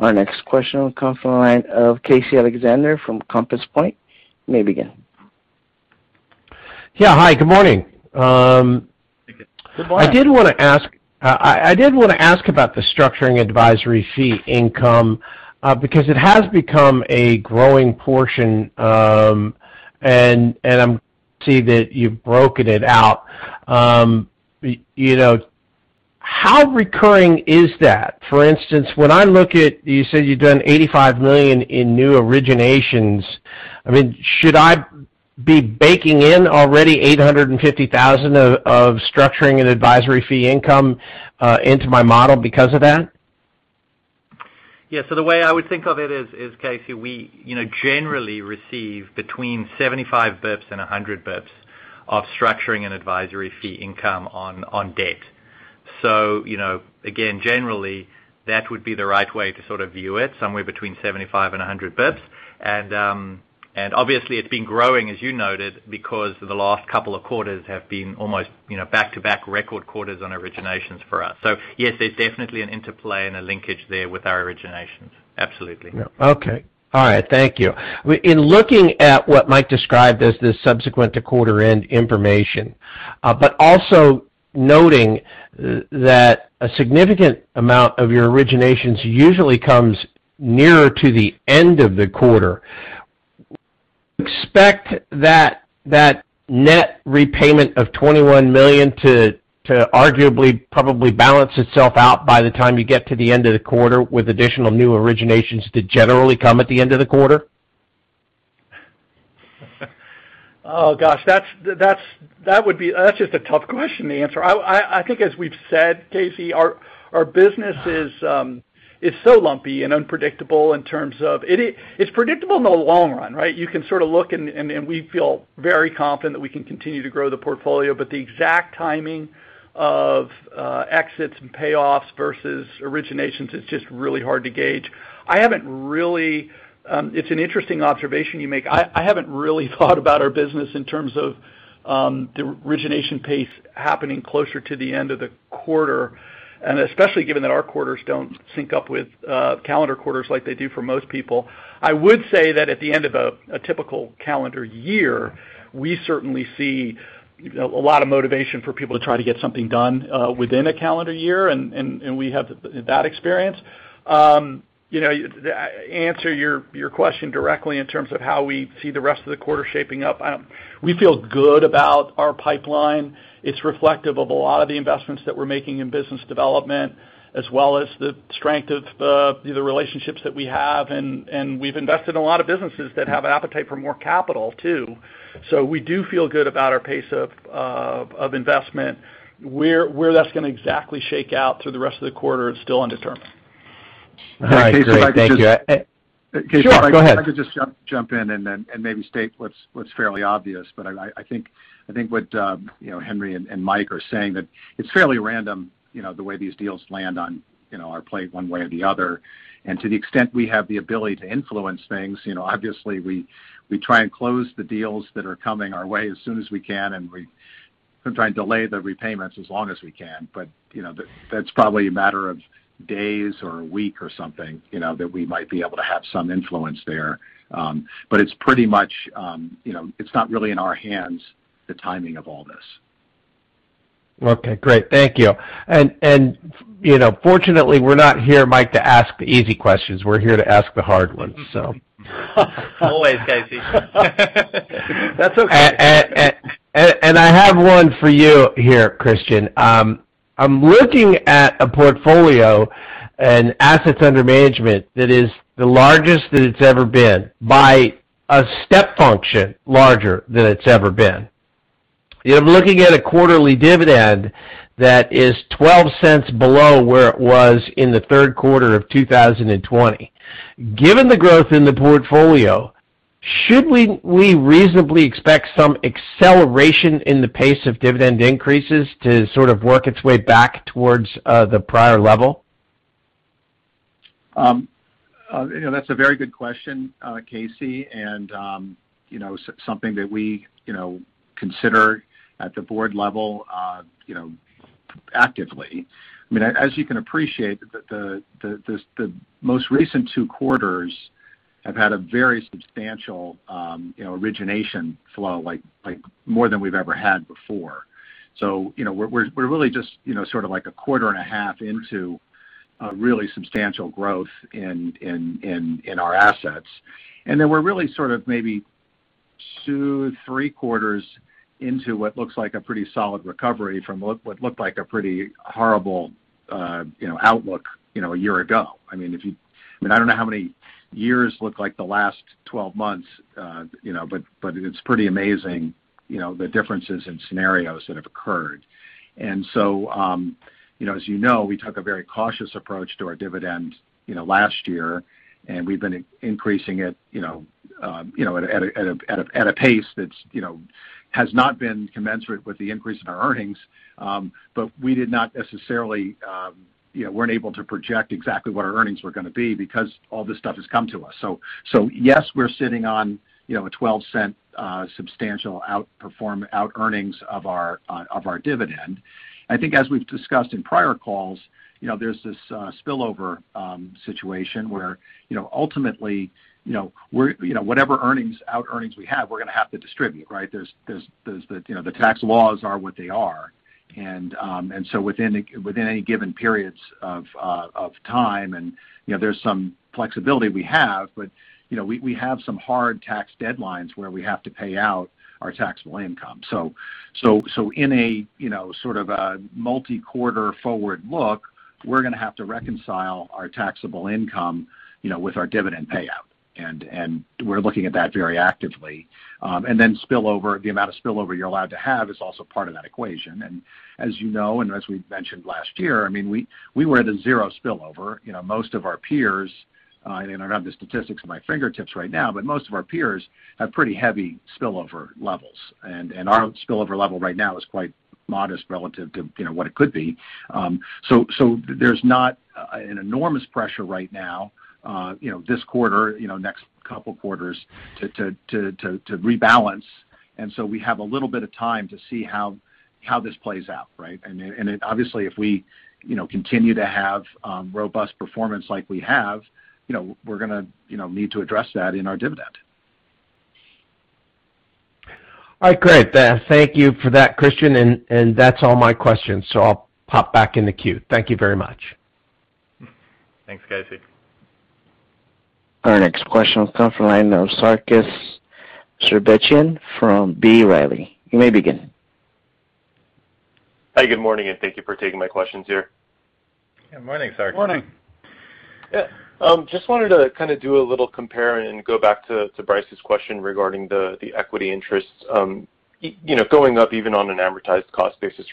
Our next question will come from the line of Casey Alexander from Compass Point. You may begin. Yeah. Hi, good morning. Good morning. I did want to ask about the structuring advisory fee income because it has become a growing portion, and I'm seeing that you've broken it out. How recurring is that? For instance, when I look at, you said you've done $85 million in new originations. Should I be baking in already $850,000 of structuring and advisory fee income into my model because of that? Yeah. The way I would think of it is, Casey, we generally receive between 75 basis points and 100 basis points of structuring and advisory fee income on debt. Again, generally, that would be the right way to view it, somewhere between 75 and 100 basis points. Obviously it's been growing, as you noted, because the last couple of quarters have been almost back-to-back record quarters on originations for us. Yes, there's definitely an interplay and a linkage there with our originations. Absolutely. Okay. All right. Thank you. In looking at what Mike described as the subsequent to quarter end information. Noting that a significant amount of your originations usually comes nearer to the end of the quarter. Do you expect that net repayment of $21 million to arguably probably balance itself out by the time you get to the end of the quarter with additional new originations that generally come at the end of the quarter? Oh, gosh, that's just a tough question to answer. I think as we've said, Casey, our business is so lumpy and unpredictable in terms of, it's predictable in the long run, right? You can sort of look and we feel very confident we can continue to grow the portfolio, but the exact timing of exits and payoffs versus originations is just really hard to gauge. It's an interesting observation you make. I haven't really thought about our business in terms of the origination pace happening closer to the end of the quarter, and especially given that our quarters don't sync up with calendar quarters like they do for most people. I would say that at the end of a typical calendar year, we certainly see a lot of motivation for people to try to get something done within a calendar year, and we have that experience. To answer your question directly in terms of how we see the rest of the quarter shaping up, we feel good about our pipeline. It's reflective of a lot of the investments that we're making in business development as well as the strength of the relationships that we have, and we've invested in a lot of businesses that have an appetite for more capital, too. We do feel good about our pace of investment. Where that's going to exactly shake out through the rest of the quarter is still undetermined. Right. Great. Thank you. Casey— Sure, go ahead. —if I could just jump in then maybe state what's fairly obvious. I think what Henri and Mike are saying, that it's fairly random the way these deals land on our plate one way or the other. To the extent we have the ability to influence things, obviously, we try and close the deals that are coming our way as soon as we can, and we try and delay the repayments as long as we can. That's probably a matter of days or a week or something, that we might be able to have some influence there. It's pretty much, it's not really in our hands, the timing of all this. Okay, great. Thank you. Fortunately, we're not here, Mike, to ask the easy questions. We're here to ask the hard ones. Always, Casey. That's okay. I have one for you here, Christian. I'm looking at a portfolio and assets under management that is the largest that it's ever been by a step function larger than it's ever been. You're looking at a quarterly dividend that is $0.12 below where it was in the third quarter of 2020. Given the growth in the portfolio, should we reasonably expect some acceleration in the pace of dividend increases to sort of work its way back towards the prior level? That's a very good question, Casey, and something that we consider at the board level actively. As you can appreciate, the most recent two quarters have had a very substantial origination flow, like more than we've ever had before. We're really just sort of like a quarter and half into really substantial growth in our assets. We're really sort of maybe two, three quarters into what looks like a pretty solid recovery from what looked like a pretty horrible outlook one year ago. I don't know how many years look like the last 12 months, but it's pretty amazing the differences in scenarios that have occurred. As you know, we took a very cautious approach to our dividends last year, and we've been increasing it at a pace that has not been commensurate with the increase in our earnings. We weren't able to project exactly what our earnings were going to be because all this stuff has come to us. Yes, we're sitting on a $0.12 substantial out earnings of our dividend. I think as we've discussed in prior calls, there's this spillover situation where ultimately whatever out earnings we have, we're going to have to distribute, right? The tax laws are what they are. Within any given periods of time, and there's some flexibility we have, but we have some hard tax deadlines where we have to pay out our taxable income. In a sort of a multi-quarter forward look, we're going to have to reconcile our taxable income with our dividend payout. We're looking at that very actively. The amount of spillover you're allowed to have is also part of that equation. As you know and as we've mentioned last year, we went to zero spillover. Most of our peers, I don't have the statistics at my fingertips right now, most of our peers have pretty heavy spillover levels. Our spillover level right now is quite modest relative to what it could be. There's not an enormous pressure right now this quarter, next couple quarters to rebalance. We have a little bit of time to see how this plays out, right. Obviously if we continue to have robust performance like we have, we're going to need to address that in our dividends. All right, great. Thank you for that, Christian. That's all my questions, I'll pop back in the queue. Thank you very much. Thanks, Casey. Our next question will come from the line of Sarkis Sherbetchyan from B. Riley. You may begin. Hi, good morning, and thank you for taking my questions here. Yeah, morning, Sarkis. Morning. Yeah. Just wanted to do a little comparing and go back to Bryce's question regarding the equity interest, going up even on an amortized cost basis.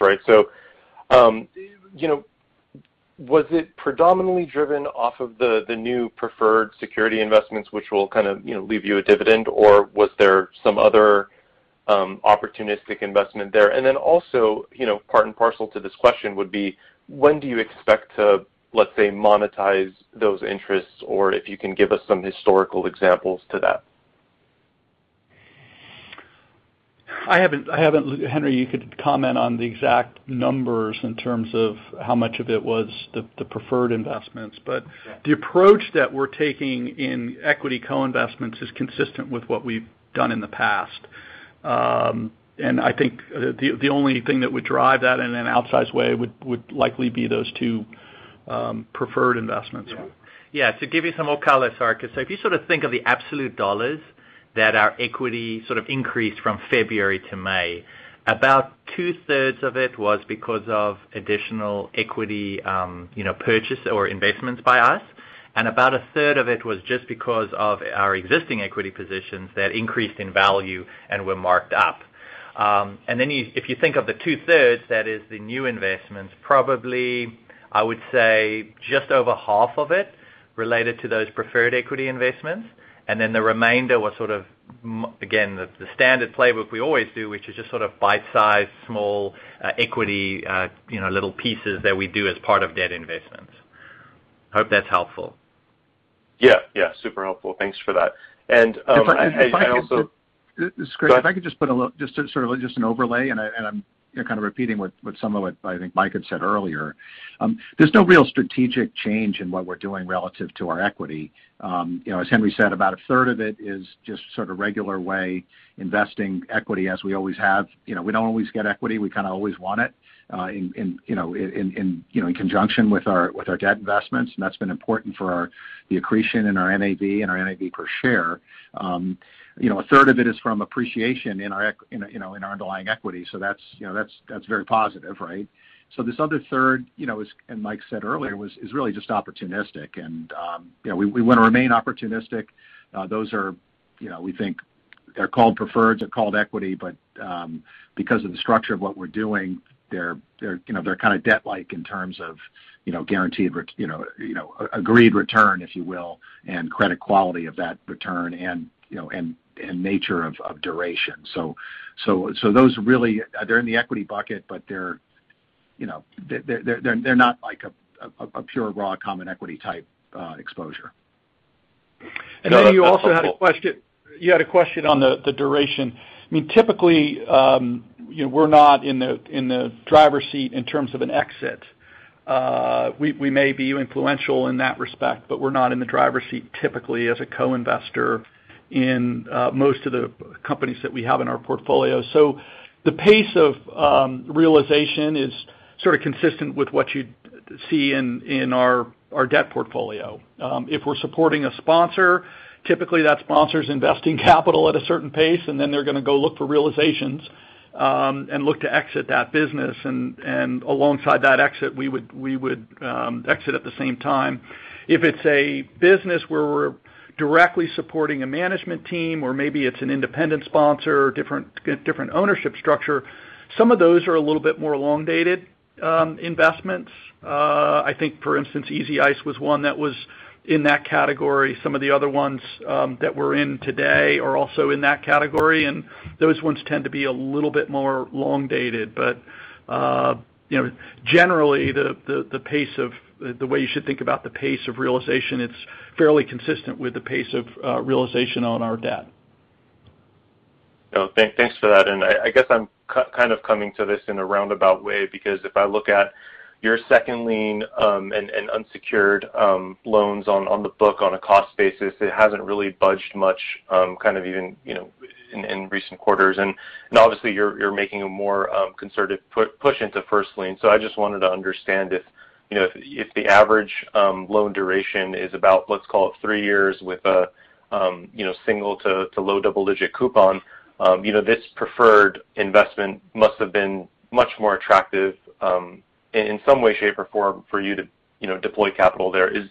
Was it predominantly driven off of the new preferred security investments, which will leave you a dividend, or was there some other opportunistic investment there? Part and parcel to this question would be, when do you expect to, let's say, monetize those interests? If you can give us some historical examples to that. Henri, you could comment on the exact numbers in terms of how much of it was the preferred investments. The approach that we're taking in equity co-investments is consistent with what we've done in the past. I think the only thing that would drive that in an outsized way would likely be those two preferred investments. Yeah. To give you some more color, Sarkis, if you think of the absolute dollars that our equity increased from February to May, about 2/3 of it was because of additional equity purchase or investments by us, and about 1/3 of it was just because of our existing equity positions that increased in value and were marked up. If you think of the 2/3, that is the new investments, probably, I would say just over half of it related to those preferred equity investments. The remainder was again, the standard playbook we always do, which is just bite-size, small equity, little pieces that we do as part of debt investments. Hope that's helpful. Yeah. Super helpful. Thanks for that and also— It's great. If I could just put just an overlay, I'm kind of repeating what some of it, I think Mike had said earlier. There's no real strategic change in what we're doing relative to our equity. As Henri said, about a third of it is just sort of regular way investing equity as we always have. We don't always get equity. We kind of always want it in conjunction with our debt investments, that's been important for the accretion in our NAV and our NAV per share. A third of it is from appreciation in our underlying equity. That's very positive, right? This other third, Mike said earlier, was really just opportunistic. We want to remain opportunistic. Those are we think they're called preferred, they're called equity, but because of the structure of what we're doing, they're kind of debt-like in terms of guaranteed, agreed return, if you will, and credit quality of that return and nature of duration. Those really are in the equity bucket, but they're not like a pure raw common equity type exposure. that's helpful. You also had a question on the duration. I mean, typically, we're not in the driver's seat in terms of an exit. We may be influential in that respect, but we're not in the driver's seat typically as a co-investor in most of the companies that we have in our portfolio. The pace of realization is sort of consistent with what you'd see in our debt portfolio. If we're supporting a sponsor, typically that sponsor's investing capital at a certain pace, and then they're going to go look for realizations, and look to exit that business. Alongside that exit, we would exit at the same time. If it's a business where we're directly supporting a management team or maybe it's an independent sponsor, different ownership structure. Some of those are a little bit more long-dated investments. I think, for instance, Easy Ice was one that was in that category. Some of the other ones that we're in today are also in that category, and those ones tend to be a little bit more long-dated. Generally, the way you should think about the pace of realization, it's fairly consistent with the pace of realization on our debt. Thanks for that. I guess I'm kind of coming to this in a roundabout way because if I look at your second lien, and unsecured loans on the book on a cost basis, it hasn't really budged much even in recent quarters. Obviously, you're making a more concerted push into first lien. I just wanted to understand if the average loan duration is about, let's call it three years with a single to low double-digit coupon. This preferred investment must have been much more attractive, in some way, shape, or form for you to deploy capital there. Is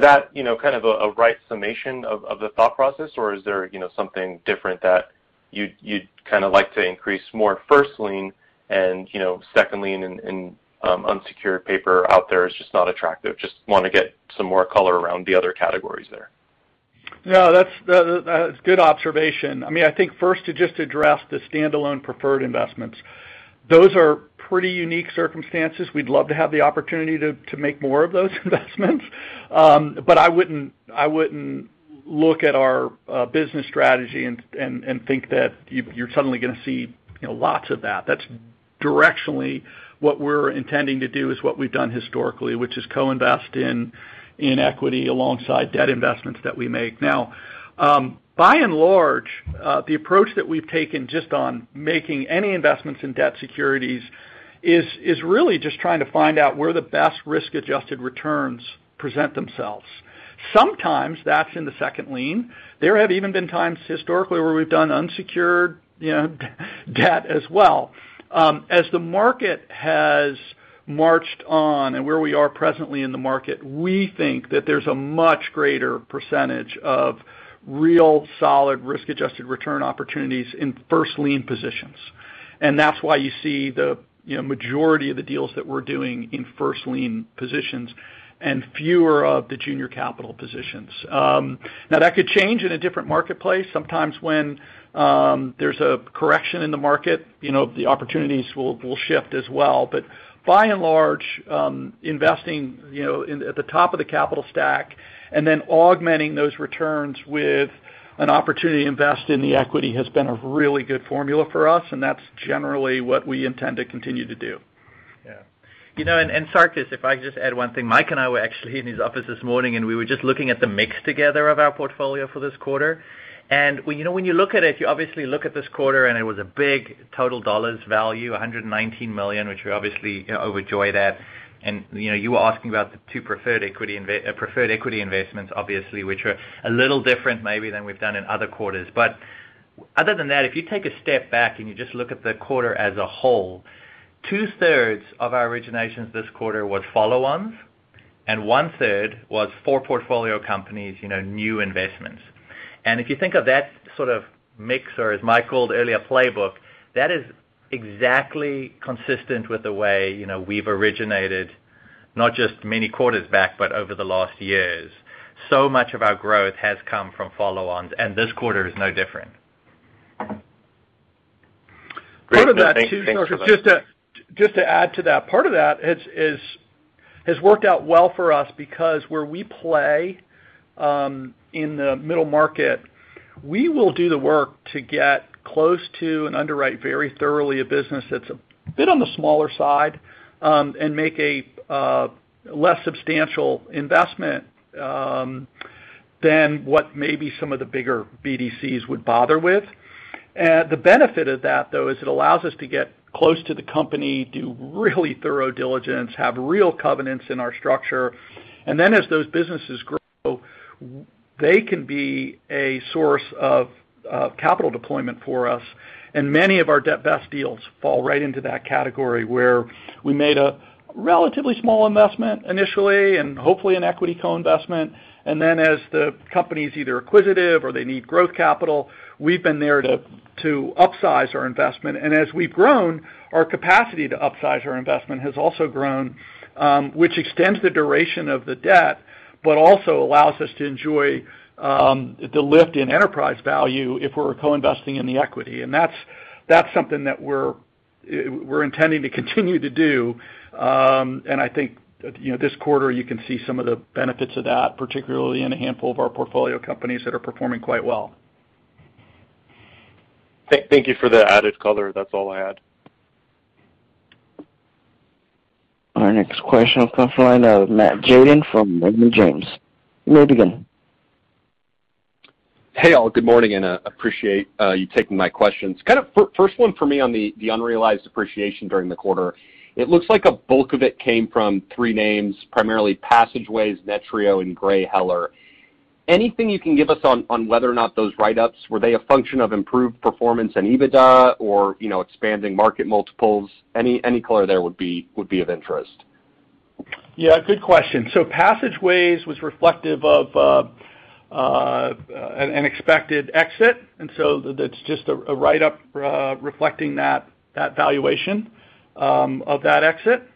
that a right summation of the thought process, or is there something different that you'd like to increase more first lien and second lien and unsecured paper out there is just not attractive? Just want to get some more color around the other categories there. No, that's a good observation. I think first to just address the standalone preferred investments. Those are pretty unique circumstances. We'd love to have the opportunity to make more of those investments. I wouldn't look at our business strategy and think that you're suddenly going to see lots of that. Directionally, what we're intending to do is what we've done historically, which is co-invest in equity alongside debt investments that we make. By and large, the approach that we've taken just on making any investments in debt securities is really just trying to find out where the best risk-adjusted returns present themselves. Sometimes that's in the second lien. There have even been times historically where we've done unsecured debt as well. As the market has marched on and where we are presently in the market, we think that there's a much greater percentage of real solid risk-adjusted return opportunities in first lien positions. That's why you see the majority of the deals that we're doing in first lien positions and fewer of the junior capital positions. That could change in a different marketplace. Sometimes when there's a correction in the market, the opportunities will shift as well. By and large, investing at the top of the capital stack and then augmenting those returns with an opportunity to invest in the equity has been a really good formula for us, and that's generally what we intend to continue to do. Yeah. Sarkis, if I could just add one thing. Mike and I were actually in his office this morning, and we were just looking at the mix together of our portfolio for this quarter. When you look at it, you obviously look at this quarter, and it was a big total dollars value, $119 million, which we're obviously overjoyed at. You were asking about the two preferred equity investments, obviously, which are a little different maybe than we've done in other quarters. Other than that, if you take a step back and you just look at the quarter as a whole, 2/3 of our originations this quarter were follow-ons, and 1/3 was four portfolio companies, new investments. If you think of that sort of mix, or as Mike called earlier, playbook, that is exactly consistent with the way we've originated not just many quarters back but over the last years. Much of our growth has come from follow-ons, and this quarter is no different. Part of that too, Sarkis, just to add to that, part of that has worked out well for us because where we play in the middle market, we will do the work to get close to and underwrite very thoroughly a business that's a bit on the smaller side and make a less substantial investment than what maybe some of the bigger BDCs would bother with. The benefit of that, though, is it allows us to get close to the company, do really thorough diligence, have real covenants in our structure, and then as those businesses grow, they can be a source of capital deployment for us. Many of our best deals fall right into that category where we made a relatively small investment initially, and hopefully an equity co-investment, and then as the company's either acquisitive or they need growth capital, we've been there to upsize our investment. As we've grown, our capacity to upsize our investment has also grown which extends the duration of the debt, but also allows us to enjoy the lift in enterprise value if we're co-investing in the equity. That's something that we're intending to continue to do. I think this quarter you can see some of the benefits of that, particularly in a handful of our portfolio companies that are performing quite well. Thank you for the added color. That's all I add. Our next question comes from Matt Tjaden from Morgan James. Matt, you may. Hey, all. Good morning, and I appreciate you taking my questions. First one for me on the unrealized appreciation during the quarter. It looks like a bulk of it came from three names, primarily Passageways, Netreo, and GreyHeller. Anything you can give us on whether or not those write-ups, were they a function of improved performance and EBITDA or expanding market multiples? Any color there would be of interest. Yeah, good question. Passageways was reflective of an expected exit, that's just a write-up reflecting that valuation of that exit.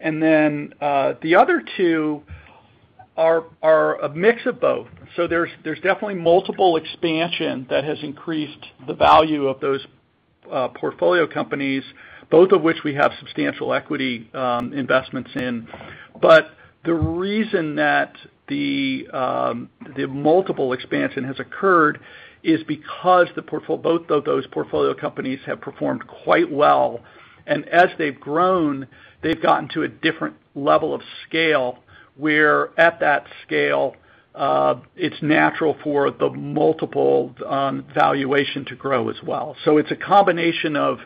The other two are a mix of both. There's definitely multiple expansion that has increased the value of those portfolio companies, both of which we have substantial equity investments in. The reason that the multiple expansion has occurred is because both of those portfolio companies have performed quite well. As they've grown, they've gotten to a different level of scale, where at that scale, it's natural for the multiple valuation to grow as well. It's a combination of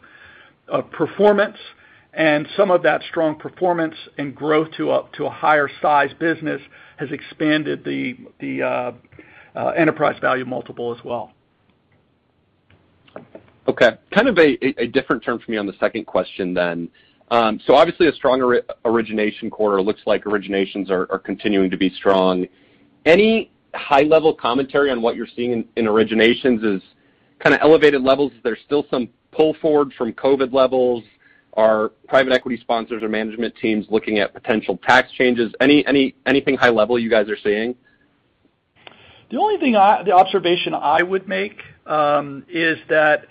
performance and some of that strong performance and growth to a higher size business has expanded the enterprise value multiple as well. Okay. Kind of a different turn for me on the second question then. Obviously a stronger origination quarter. Looks like originations are continuing to be strong. Any high-level commentary on what you're seeing in originations is kind of elevated levels? Is there still some pull-forward from COVID levels? Are private equity sponsors or management teams looking at potential tax changes? Anything high level you guys are seeing? The observation I would make is that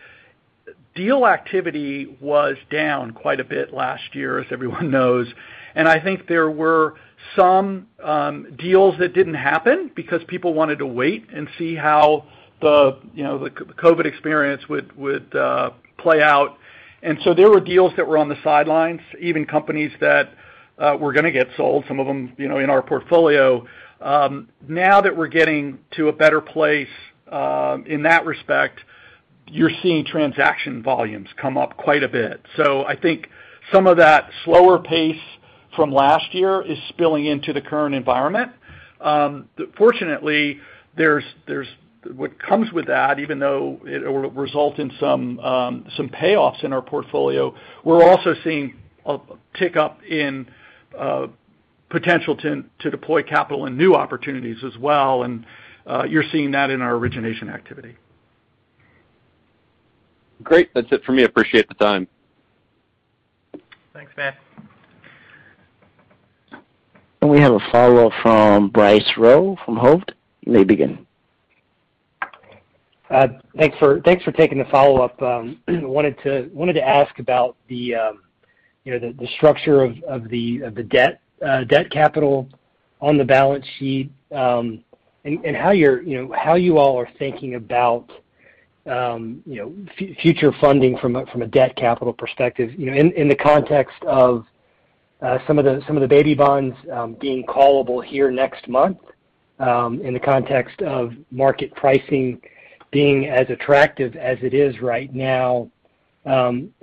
deal activity was down quite a bit last year, as everyone knows. I think there were some deals that didn't happen because people wanted to wait and see how the COVID experience would play out. There were deals that were on the sidelines, even companies that were going to get sold, some of them in our portfolio. Now that we're getting to a better place in that respect, you're seeing transaction volumes come up quite a bit. I think some of that slower pace from last year is spilling into the current environment. Fortunately, what comes with that, even though it will result in some payoffs in our portfolio, we're also seeing a tick-up in potential to deploy capital in new opportunities as well. You're seeing that in our origination activity. Great. That's it for me. Appreciate the time. Thanks, Matt. We have a follow-up from Bryce Rowe from Hovde. You may begin. Thanks for taking the follow-up. Wanted to ask about the structure of the debt capital on the balance sheet and how you all are thinking about future funding from a debt capital perspective in the context of some of the baby bonds being callable here next month, in the context of market pricing being as attractive as it is right now. Then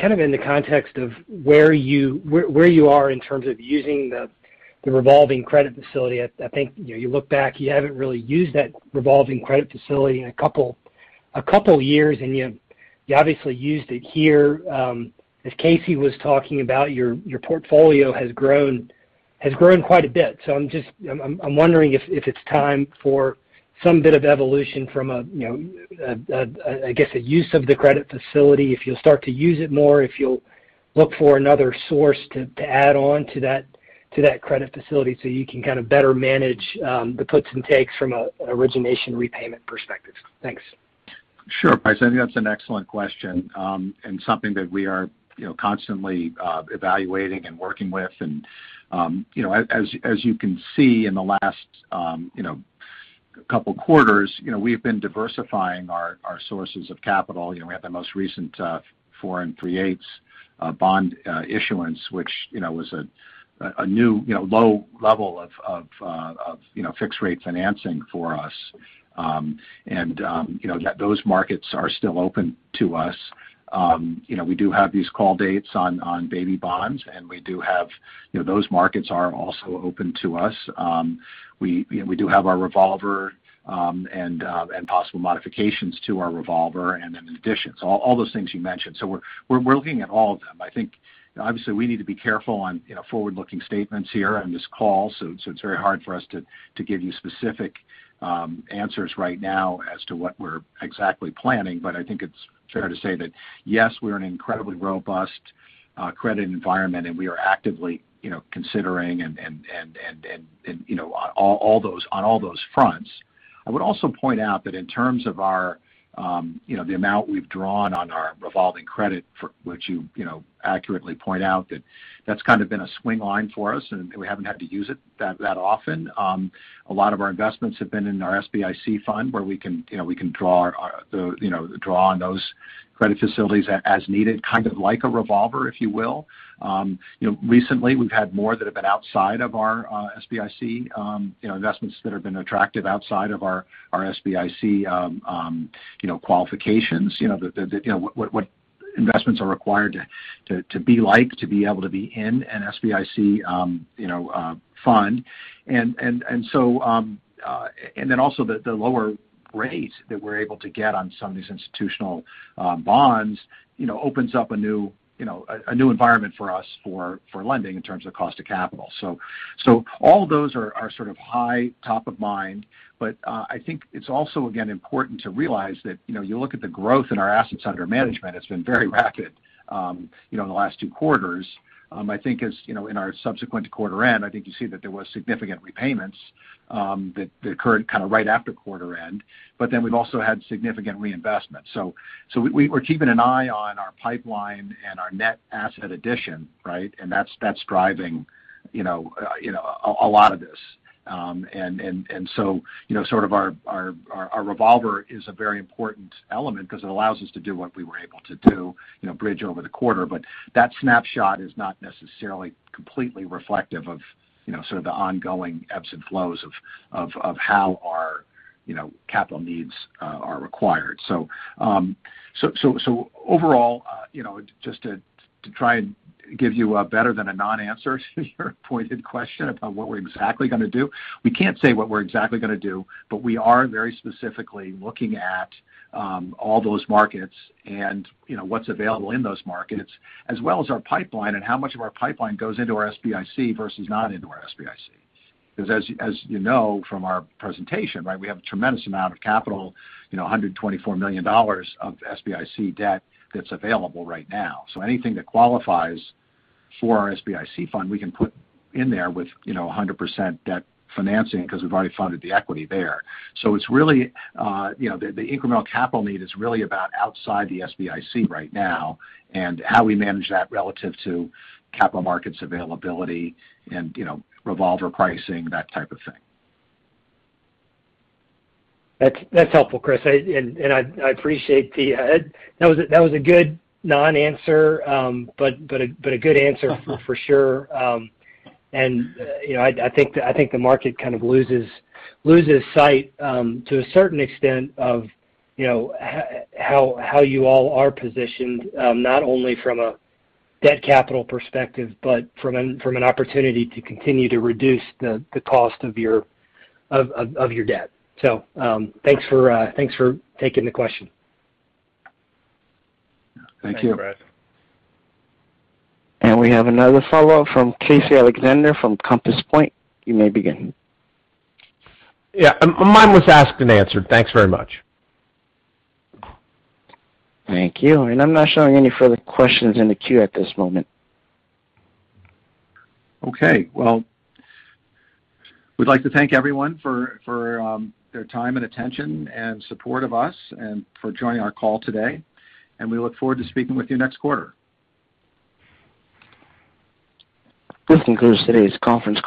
kind of in the context of where you are in terms of using the revolving credit facility. I think you look back, you haven't really used that revolving credit facility in a couple years, and you obviously used it here. As Casey was talking about, your portfolio has grown quite a bit. I'm wondering if it's time for some bit of evolution from, I guess, a use of the credit facility, if you'll start to use it more, if you'll look for another source to add on to that credit facility so you can better manage the puts and takes from an origination repayment perspective. Thanks. Sure, Bryce. I think that's an excellent question and something that we are constantly evaluating and working with. As you can see in the last couple of quarters, we've been diversifying our sources of capital. We had the most recent four and three-eighths bond issuance, which was a new low level of fixed-rate financing for us. Those markets are still open to us. We do have these call dates on baby bonds, and those markets are also open to us. We do have our revolver and possible modifications to our revolver and then additions, all those things you mentioned. We're looking at all of them. I think, obviously, we need to be careful on forward-looking statements here on this call. It's very hard for us to give you specific answers right now as to what we're exactly planning. I think it's fair to say that, yes, we're in an incredibly robust credit environment, and we are actively considering on all those fronts. I would also point out that in terms of the amount we've drawn on our revolving credit for which you accurately point out that that's kind of been a swingline for us, and we haven't had to use it that often. A lot of our investments have been in our SBIC fund where we can draw on those credit facilities as needed, kind of like a revolver, if you will. Recently, we've had more that have been outside of our SBIC investments that have been attractive outside of our SBIC qualifications, what investments are required to be like to be able to be in an SBIC fund. Also the lower rate that we're able to get on some of these institutional bonds opens up a new environment for us for lending in terms of cost of capital. All those are sort of high top of mind. I think it's also, again, important to realize that you look at the growth in our assets under management, it's been very rapid in the last two quarters. I think as in our subsequent quarter end, I think you see that there was significant repayments that occurred kind of right after quarter end. We've also had significant reinvestment. We're keeping an eye on our pipeline and our net asset addition, right? That's driving a lot of this. Sort of our revolver is a very important element because it allows us to do what we were able to do, bridge over the quarter. That snapshot is not necessarily completely reflective of sort of the ongoing ebbs and flows of how our capital needs are required. Overall, just to try and give you a better than a non-answer to your pointed question about what we're exactly going to do. We can't say what we're exactly going to do, but we are very specifically looking at all those markets and what's available in those markets, as well as our pipeline and how much of our pipeline goes into our SBIC versus not into our SBIC. As you know from our presentation, right, we have a tremendous amount of capital, $124 million of SBIC debt that's available right now. Anything that qualifies for our SBIC fund, we can put in there with 100% debt financing because we've already funded the equity there. The incremental capital need is really about outside the SBIC right now and how we manage that relative to capital markets availability and revolver pricing, that type of thing. That's helpful, Chris. I appreciate That was a good non-answer but a good answer for sure. I think the market kind of loses sight to a certain extent of how you all are positioned not only from a debt capital perspective but from an opportunity to continue to reduce the cost of your debt. Thanks for taking the question. Thank you. Thanks, Bryce. We have another follow-up from Casey Alexander from Compass Point. You may begin. Yeah. Mine was asked and answered. Thanks very much. Thank you. I'm not showing any further questions in the queue at this moment. Okay. Well, we'd like to thank everyone for their time and attention and support of us and for joining our call today. We look forward to speaking with you next quarter. This concludes today's conference call.